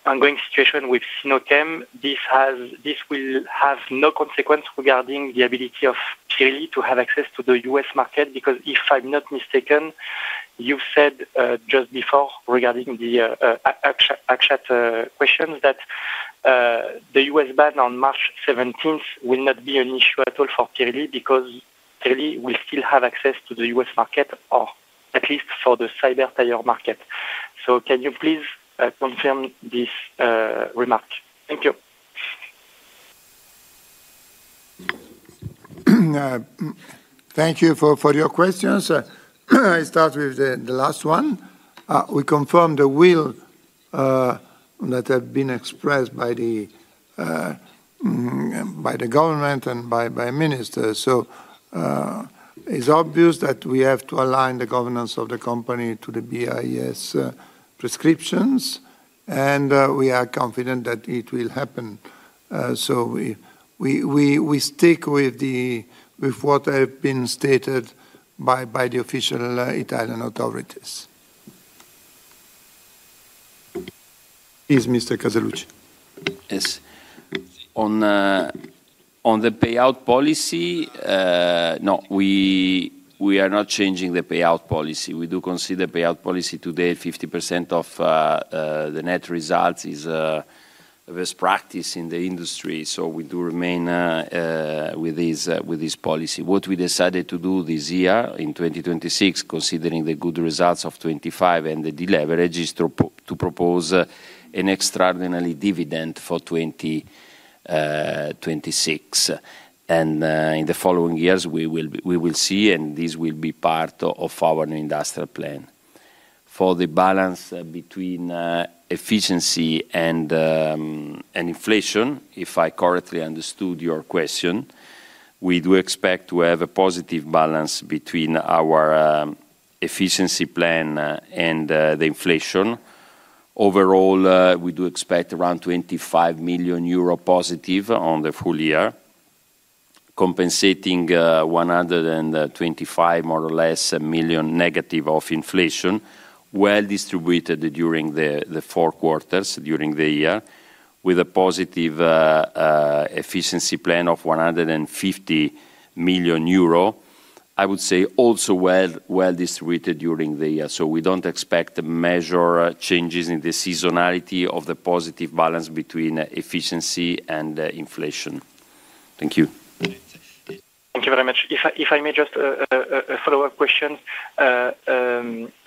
ongoing situation with Sinochem, this will have no consequence regarding the ability of Chile to have access to the U.S. market? If I'm not mistaken, you said just before, regarding the Akshat Kacker question, that the U.S. ban on March 17th will not be an issue at all for Pirelli, because Pirelli will still have access to the U.S. market, or at least for the Cyber Tyre market. Can you please confirm this remark? Thank you. Thank you for your questions. I start with the last one. We confirm the will that have been expressed by the government and by minister. It's obvious that we have to align the governance of the company to the BIS prescriptions, and we are confident that it will happen. We stick with what have been stated by the official Italian authorities. Please, Mr. Casaluci. Yes. On, on the payout policy, no, we are not changing the payout policy. We do consider payout policy today, 50% of the net results is best practice in the industry. We do remain with this policy. What we decided to do this year, in 2026, considering the good results of 2025 and the deleverage, is to propose an extraordinary dividend for 2026. In the following years, we will see, and this will be part of our new industrial plan. For the balance between efficiency and inflation, if I correctly understood your question, we do expect to have a positive balance between our efficiency plan and the inflation. Overall, we do expect around 25 million euro positive on the full year, compensating, 125, more or less, million negative of inflation, well distributed during the four quarters during the year, with a positive efficiency plan of 150 million euro. I would say also well distributed during the year. We don't expect major changes in the seasonality of the positive balance between efficiency and inflation. Thank you. Thank you very much. If I may just a follow-up question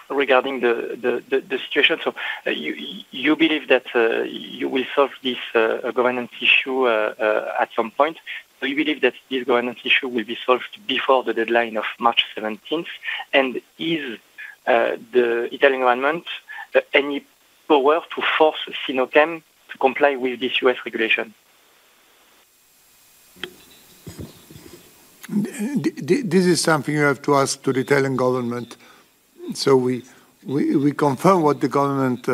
regarding the situation? You, you believe that you will solve this governance issue at some point? Do you believe that this governance issue will be solved before the deadline of March 17th? Is the Italian government any power to force Sinochem to comply with this U.S. regulation? This is something you have to ask to the Italian government. We confirm what the government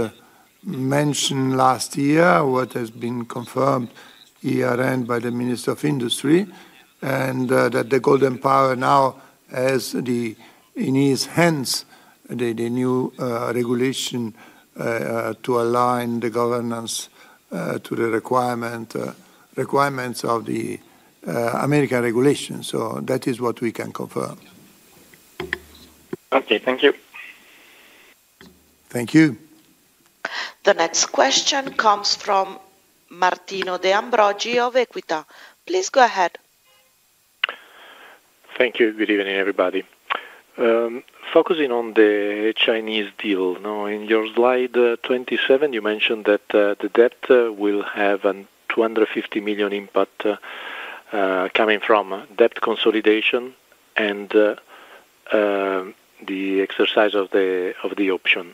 mentioned last year, what has been confirmed year-end by the Minister of Industry, and that the golden power as in his hands the new regulation to align the governance to the requirements of the American regulation. That is what we can confirm. Okay, thank you. Thank you. The next question comes from Martino De Ambrogi of Equita. Please go ahead. Thank you. Good evening, everybody. Focusing on the Chinese deal. Now, in your slide 27, you mentioned that the debt will have an 250 million impact coming from debt consolidation and the exercise of the option.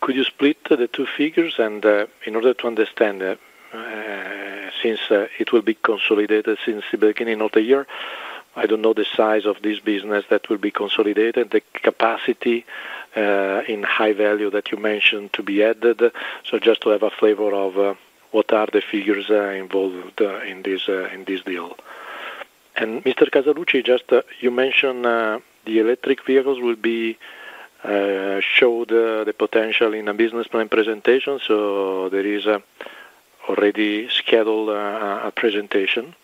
Could you split the two figures? In order to understand, since it will be consolidated since the beginning of the year, I don't know the size of this business that will be consolidated, the capacity in high value that you mentioned to be added. So just to have a flavor of what are the figures involved in this deal? Mr. Casaluci, just, you mentioned, the electric vehicles will be, show the potential in a business plan presentation. There is a already scheduled, a presentation.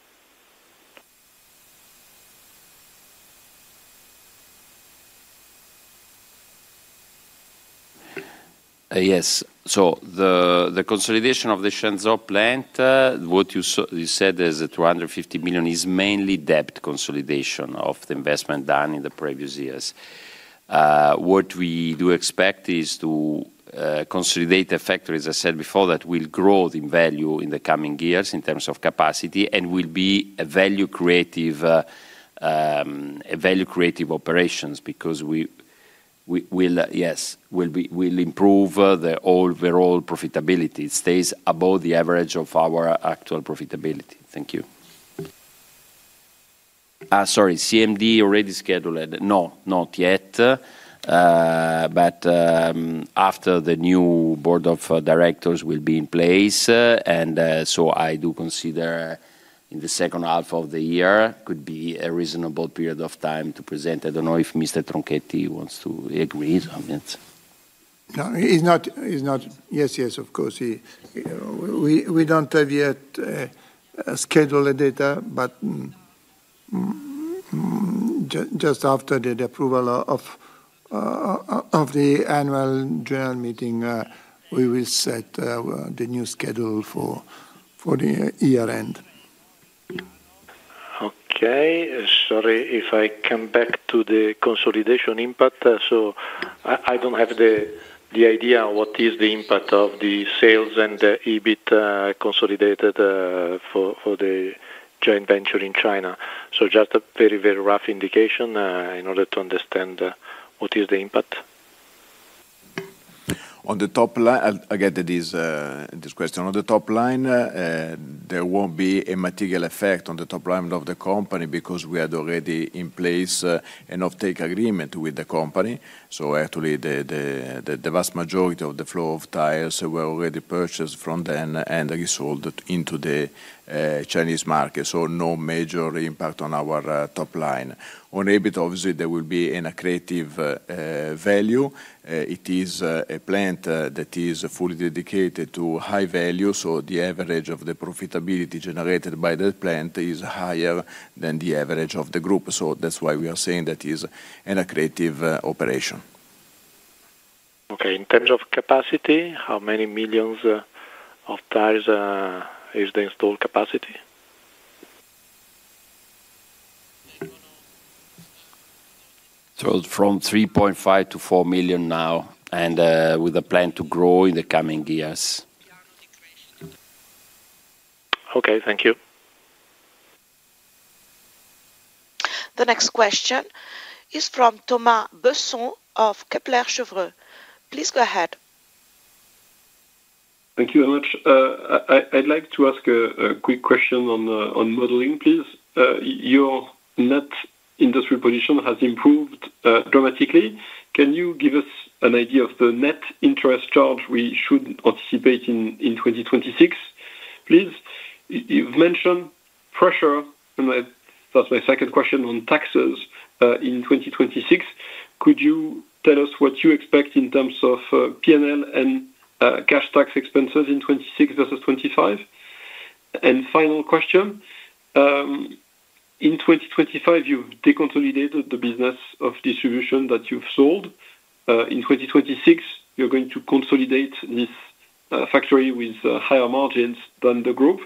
Yes. The consolidation of the Shenzhou plant, you said is 250 million, is mainly debt consolidation of the investment done in the previous years. What we do expect is to consolidate the factory, as I said before, that will grow the value in the coming years in terms of capacity, and will be a value creative operations. Yes, we'll improve the overall profitability. It stays above the average of our actual profitability. Thank you. Sorry, CMD already scheduled? No, not yet. But, after the new board of directors will be in place, and, I do consider in the second half of the year could be a reasonable period of time to present. I don't know if Mr. Tronchetti wants to agree on it. We don't have yet a schedule a data, but just after the approval of the annual general meeting, we will set the new schedule for the year end. Okay. Sorry if I come back to the consolidation impact. I don't have the idea what is the impact of the sales and the EBIT, consolidated, for the joint venture in China. Just a very, very rough indication, in order to understand, what is the impact? On the top line, again, that is, this question. On the top line, there won't be a material effect on the top line of the company because we had already in place an offtake agreement with the company. Actually, the vast majority of the flow of tires were already purchased from then and resold into the Chinese market, no major impact on our top line. On EBIT, obviously, there will be an accretive value. It is a plant that is fully dedicated to high value, the average of the profitability generated by that plant is higher than the average of the group. That's why we are saying that is an accretive operation. Okay. In terms of capacity, how many millions of tires is the installed capacity? From 3.5 million to 4 million now, with a plan to grow in the coming years. Okay, thank you. The next question is from Thomas Besson of Kepler Cheuvreux. Please go ahead. Thank you very much. I'd like to ask a quick question on modeling, please. Your net industry position has improved dramatically. Can you give us an idea of the net interest charge we should anticipate in 2026, please? You've mentioned pressure, and that's my second question on taxes in 2026. Could you tell us what you expect in terms of PNL and cash tax expenses in 2026 versus 2025? Final question, in 2025, you deconsolidated the business of distribution that you've sold. In 2026, you're going to consolidate this factory with higher margins than the group.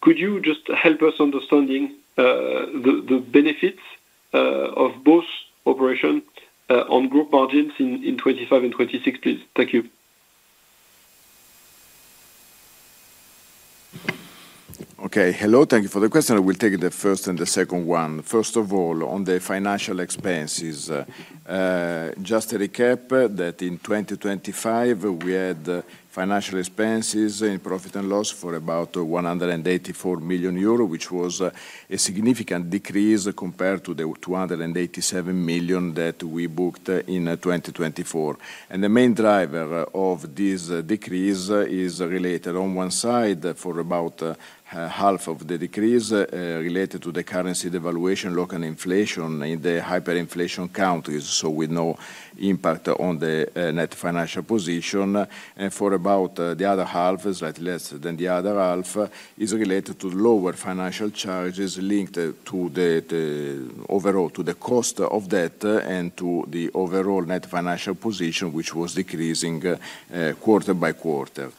Could you just help us understanding the benefits of both operation on group margins in 2025 and 2060? Thank you. Okay, hello. Thank you for the question. I will take the first and the second one. First of all, on the financial expenses, just to recap, that in 2025, we had financial expenses in profit and loss for about 184 million euro, which was a significant decrease compared to the 287 million that we booked in 2024. The main driver of this decrease is related on one side, for about half of the decrease, related to the currency devaluation, local inflation in the hyperinflation countries, so with no impact on the net financial position. For about the other half, slightly less than the other half, is related to lower financial charges linked to the overall, to the cost of debt and to the overall net financial position, which was decreasing quarter by quarter.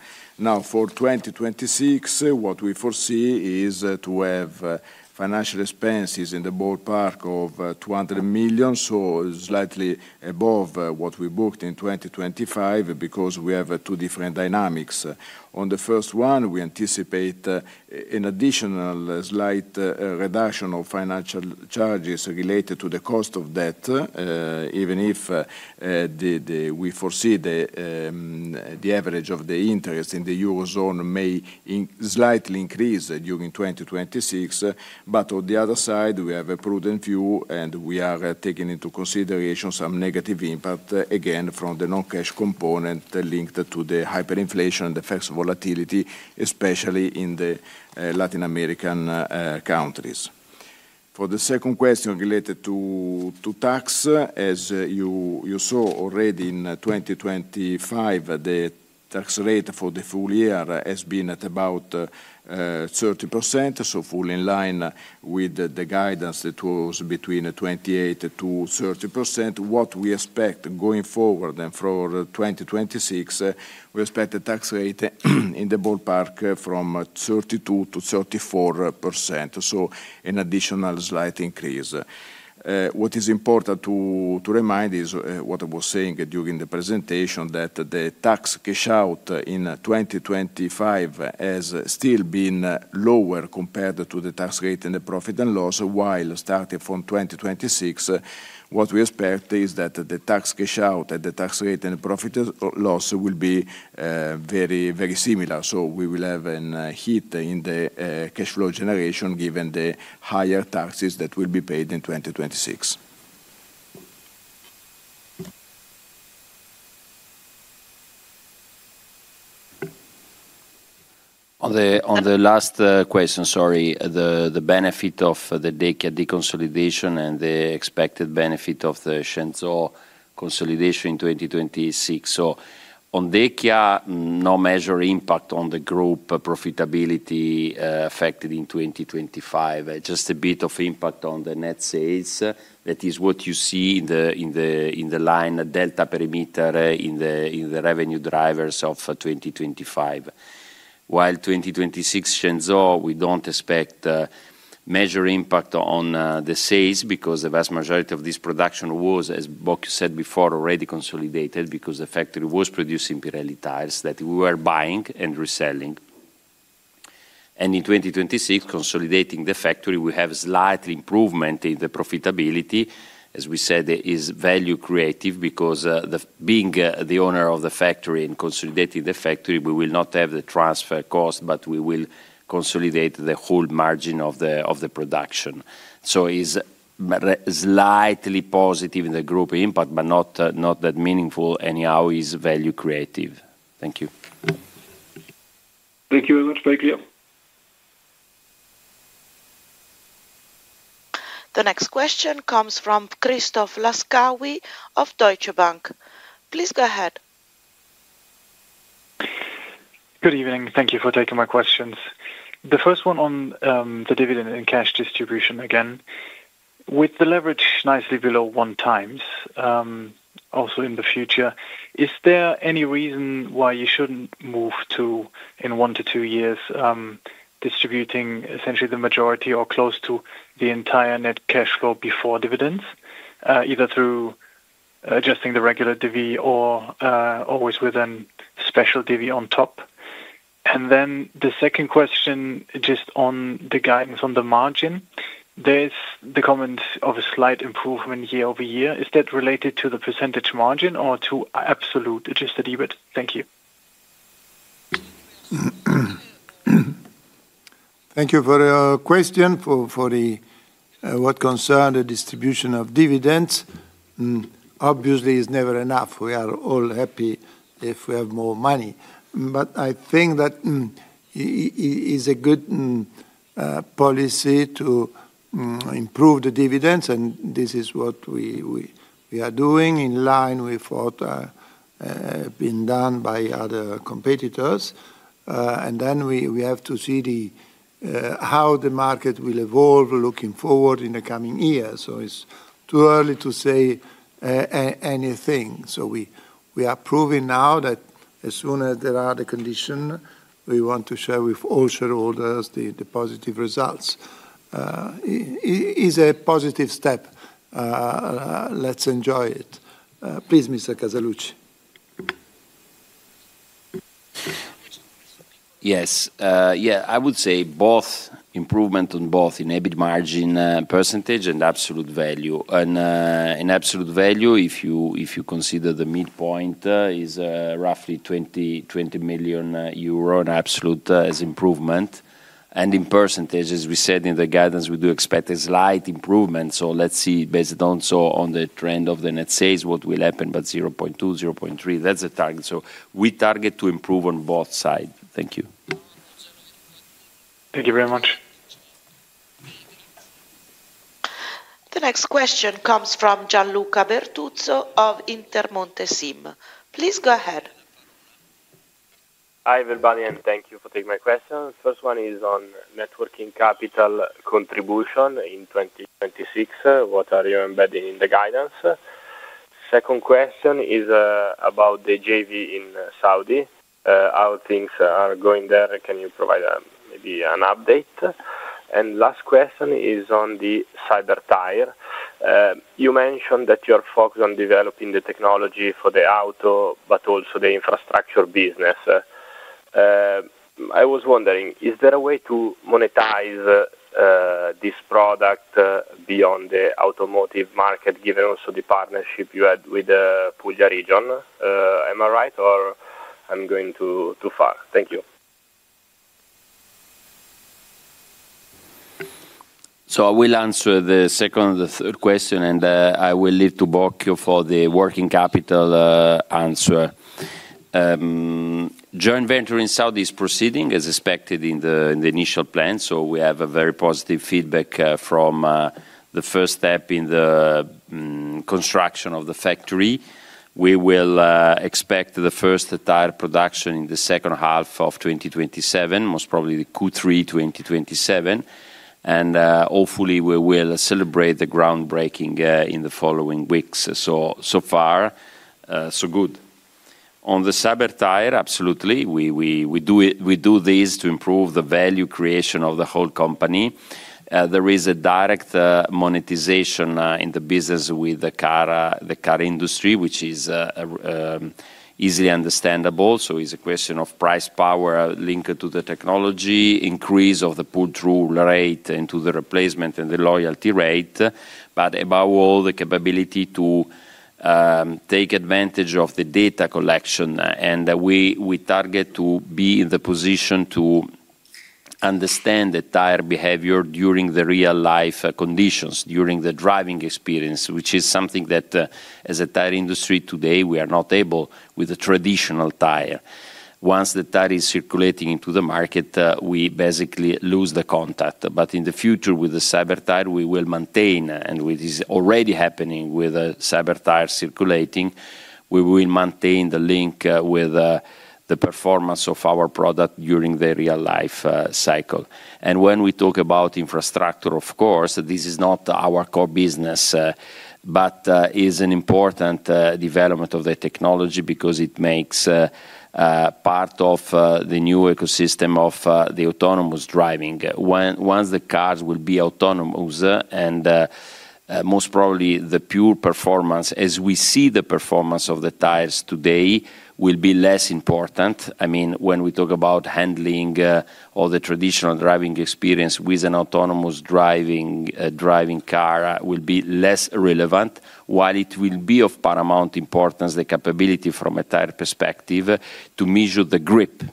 For 2026, what we foresee is to have financial expenses in the ballpark of 200 million, so slightly above what we booked in 2025, because we have two different dynamics. On the first one, we anticipate an additional slight reduction of financial charges related to the cost of debt, even if we foresee the average of the interest in the Eurozone may slightly increase during 2026. On the other side, we have a prudent view, and we are taking into consideration some negative impact, again, from the non-cash component linked to the hyperinflation and the FX volatility, especially in the Latin American countries. For the second question related to tax, as you saw already in 2025, the tax rate for the full year has been at about 30%, fully in line with the guidance. It was between 28%-30%. What we expect going forward, for 2026, we expect the tax rate in the ballpark from 32%-34%, an additional slight increase. What is important to remind is what I was saying during the presentation, that the tax cash out in 2025 has still been lower compared to the tax rate and the profit and loss, while starting from 2026, what we expect is that the tax cash out and the tax rate and the profit or loss will be very, very similar. We will have an hit in the cash flow generation, given the higher taxes that will be paid in 2026. On the last question, sorry, the benefit of the Deca deconsolidation and the expected benefit of the Shenzhou consolidation in 2026. On Deca, no measure impact on the group profitability affected in 2025. Just a bit of impact on the net sales. That is what you see in the line delta perimeter in the revenue drivers of 2025. While 2026 Shenzhou, we don't expect major impact on the sales, because the vast majority of this production was, as Bocchio said before, already consolidated, because the factory was producing Pirelli tires that we were buying and reselling. In 2026, consolidating the factory, we have slightly improvement in the profitability. We said, it is value creative, because the being the owner of the factory and consolidating the factory, we will not have the transfer cost, but we will consolidate the whole margin of the production. Is slightly positive in the group impact, but not that meaningful, anyhow, is value creative. Thank you. Thank you very much. Very clear. The next question comes from Christoph Laskawi of Deutsche Bank. Please go ahead. Good evening. Thank you for taking my questions. The first one on the dividend and cash distribution again. With the leverage nicely below 1 times, also in the future, is there any reason why you shouldn't move to, in one to two years, distributing essentially the majority or close to the entire net cash flow before dividends, either through adjusting the regular DV or always with a special DV on top? The second question, just on the guidance on the margin. There's the comment of a slight improvement year-over-year. Is that related to the percentage margin or to absolute Adjusted EBIT? Thank you. Thank you for your question. For the what concern the distribution of dividends, obviously is never enough. We are all happy if we have more money. I think that is a good policy to improve the dividends, and this is what we are doing in line with what been done by other competitors. Then we have to see how the market will evolve looking forward in the coming years. It's too early to say anything. We are proving now that as soon as there are the condition, we want to share with all shareholders the positive results. Is a positive step. Let's enjoy it. Please, Mr. Casaluci. Yes, I would say both, improvement on both in EBIT margin percentage and absolute value. In absolute value, if you consider the midpoint, is roughly 20 million euro in absolute as improvement. In percentage, as we said in the guidance, we do expect a slight improvement. Let's see, based on the trend of the net sales, what will happen, but 0.2%, 0.3%, that's the target. We target to improve on both sides. Thank you. Thank you very much. The next question comes from Gianluca Bertuzzo of Intermonte SIM. Please go ahead. Hi, everybody. Thank you for taking my question. First one is on networking capital contribution in 2026. What are you embedding in the guidance? Second question is about the JV in Saudi. How things are going there, can you provide maybe an update? Last question is on the Cyber Tyre. You mentioned that you're focused on developing the technology for the auto but also the infrastructure business. I was wondering, is there a way to monetize this product beyond the automotive market, given also the partnership you had with the Puglia region? Am I right, or I'm going too far? Thank you. I will answer the second and the third question, and I will leave to Bocchio for the working capital answer. Joint venture in Saudi is proceeding as expected in the initial plan, we have a very positive feedback from the first step in the construction of the factory. We will expect the first tire production in the second half of 2027, most probably the Q3 2027, and hopefully, we will celebrate the groundbreaking in the following weeks. So far, so good. On the Cyber Tyre, absolutely, we do this to improve the value creation of the whole company. There is a direct monetization in the business with the car, the car industry, which is easily understandable. It's a question of price power linked to the technology, increase of the pull-through rate into the replacement and the loyalty rate, but above all, the capability to take advantage of the data collection. We target to be in the position to understand the tire behavior during the real-life conditions, during the driving experience, which is something that as a tire industry today, we are not able with a traditional tire. Once the tire is circulating into the market, we basically lose the contact. In the future, with the Cyber Tyre, we will maintain, and it is already happening with the Cyber Tyre circulating, we will maintain the link with the performance of our product during the real-life cycle. When we talk about infrastructure, of course, this is not our core business, but is an important development of the technology because it makes part of the new ecosystem of the autonomous driving. Once the cars will be autonomous and most probably the pure performance, as we see the performance of the tires today, will be less important. I mean, when we talk about handling, or the traditional driving experience with an autonomous driving car will be less relevant, while it will be of paramount importance, the capability from a tire perspective, to measure the grip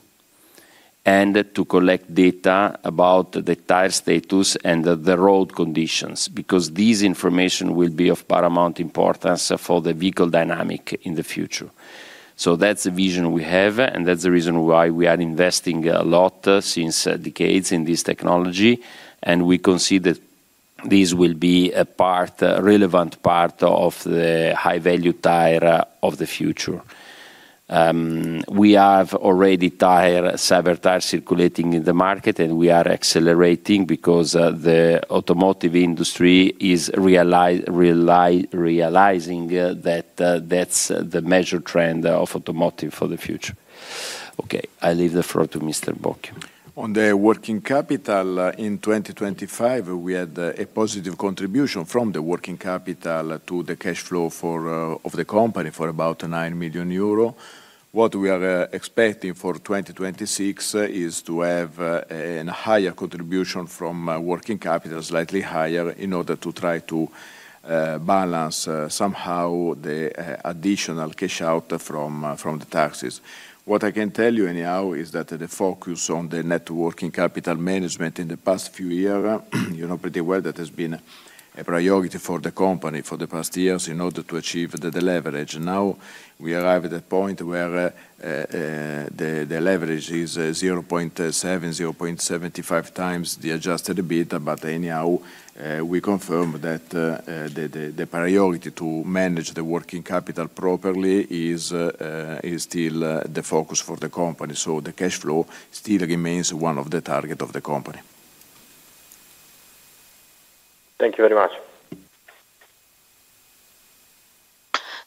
and to collect data about the tire status and the road conditions, because this information will be of paramount importance for the vehicle dynamic in the future. That's the vision we have, and that's the reason why we are investing a lot since decades in this technology, and we consider this will be a part, a relevant part of the high-value tire of the future. We have already Cyber Tyres circulating in the market, and we are accelerating because the automotive industry is realizing that that's the major trend of automotive for the future. Okay, I leave the floor to Mr. Bocchio. On the working capital, in 2025, we had a positive contribution from the working capital to the cash flow of the company for about 9 million euro. What we are expecting for 2026 is to have an higher contribution from working capital, slightly higher, in order to try to balance somehow the additional cash out from the taxes. What I can tell you anyhow, is that the focus on the net working capital management in the past few year, you know pretty well, that has been a priority for the company for the past years in order to achieve the leverage. We arrive at a point where the leverage is 0.7-0.75 times the Adjusted EBIT, anyhow, we confirm that the priority to manage the working capital properly is still the focus for the company. The cash flow still remains one of the target of the company. Thank you very much.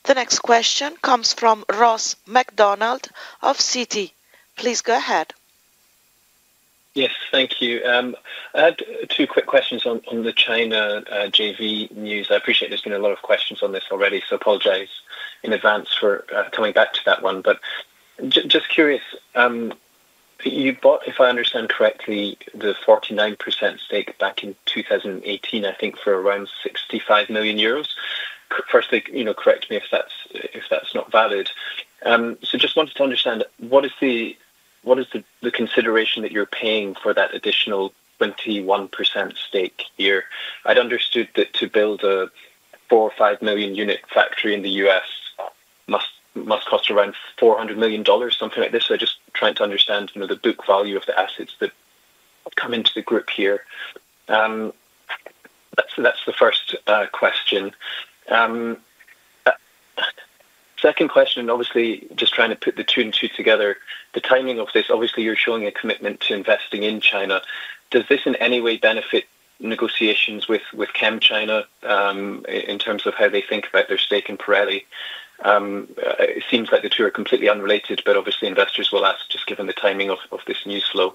The next question comes from Ross MacDonald of Citi. Please go ahead. Yes, thank you. I had two quick questions on the China JV news. I appreciate there's been a lot of questions on this already, so apologize in advance for coming back to that one. Just curious, you bought, if I understand correctly, the 49% stake back in 2018, I think for around 65 million euros. Firstly, you know, correct me if that's not valid. Just wanted to understand, what is the consideration that you're paying for that additional 21% stake here? I'd understood that to build a 4 or 5 million unit factory in the U.S. must cost around $400 million, something like this. Just trying to understand, you know, the book value of the assets that come into the group here. That's the first question. Second question, obviously just trying to put the two and two together, the timing of this, obviously, you're showing a commitment to investing in China. Does this in any way benefit negotiations with ChemChina in terms of how they think about their stake in Pirelli? It seems like the two are completely unrelated, obviously investors will ask, just given the timing of this news flow.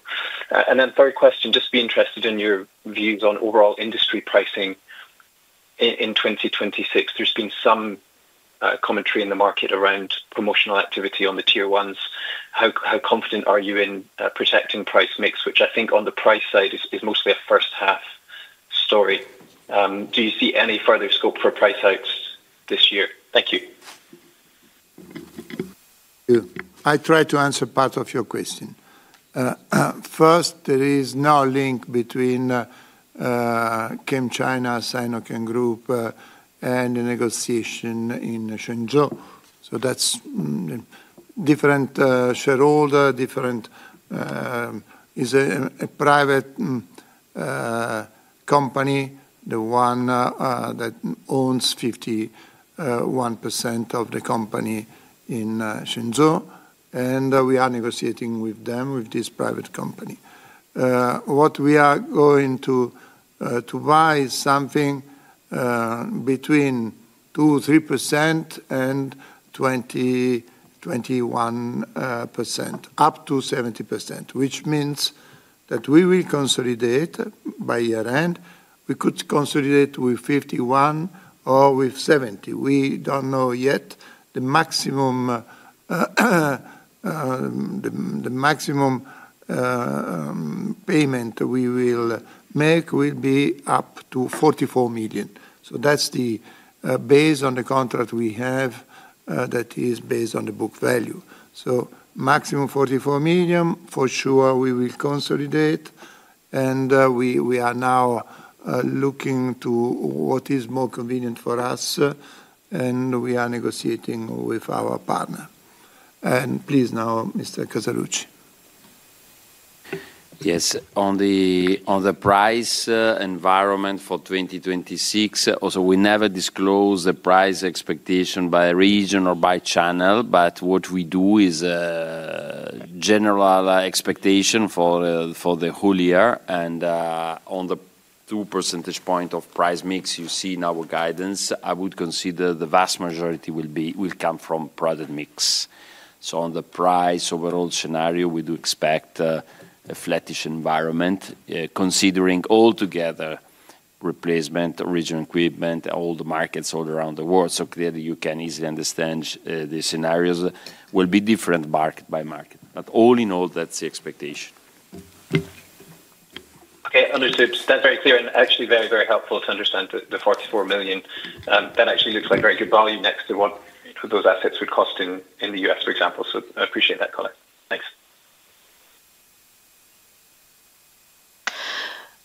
Third question, just be interested in your views on overall industry pricing in 2026. There's been some commentary in the market around promotional activity on the Tier Ones. How confident are you in protecting price mix, which I think on the price side is mostly a first half story. Do you see any further scope for price hikes this year? Thank you. Thank you. I try to answer part of your question. First, there is no link between ChemChina, Sinochem Group, and the negotiation in Zhengzhou. That's different shareholder. Is a private company, the one that owns 51% of the company in Zhengzhou, and we are negotiating with them, with this private company. What we are going to buy is something between 2%-3% and 20%-21%, up to 70%, which means that we will consolidate by year-end. We could consolidate with 51 or with 70. We don't know yet. The maximum payment we will make will be up to 44 million. That's the based on the contract we have that is based on the book value. Maximum 44 million, for sure we will consolidate, and we are now looking to what is more convenient for us, and we are negotiating with our partner. Please now, Mr. Casaluci. Yes, on the, on the price environment for 2026, also, we never disclose the price expectation by region or by channel, but what we do is a general expectation for the whole year, and on the 2 percentage point of price mix you see in our guidance, I would consider the vast majority will come from product mix. On the price overall scenario, we do expect a flattish environment, considering all together replacement, original equipment, all the markets all around the world. Clearly, you can easily understand the scenarios will be different market by market. All in all, that's the expectation. Okay, understood. That's very clear and actually very, very helpful to understand the 44 million. That actually looks like very good value next to what those assets would cost in the US, for example. I appreciate that, Colin. Thanks.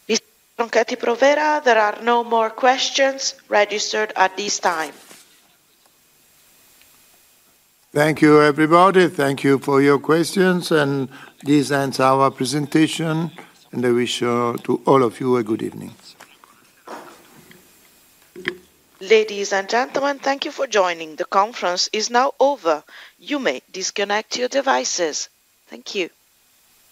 Mr. Tronchetti Provera, there are no more questions registered at this time. Thank you, everybody. Thank you for your questions. This ends our presentation. I wish to all of you a good evening. Ladies and gentlemen, thank you for joining. The conference is now over. You may disconnect your devices. Thank you.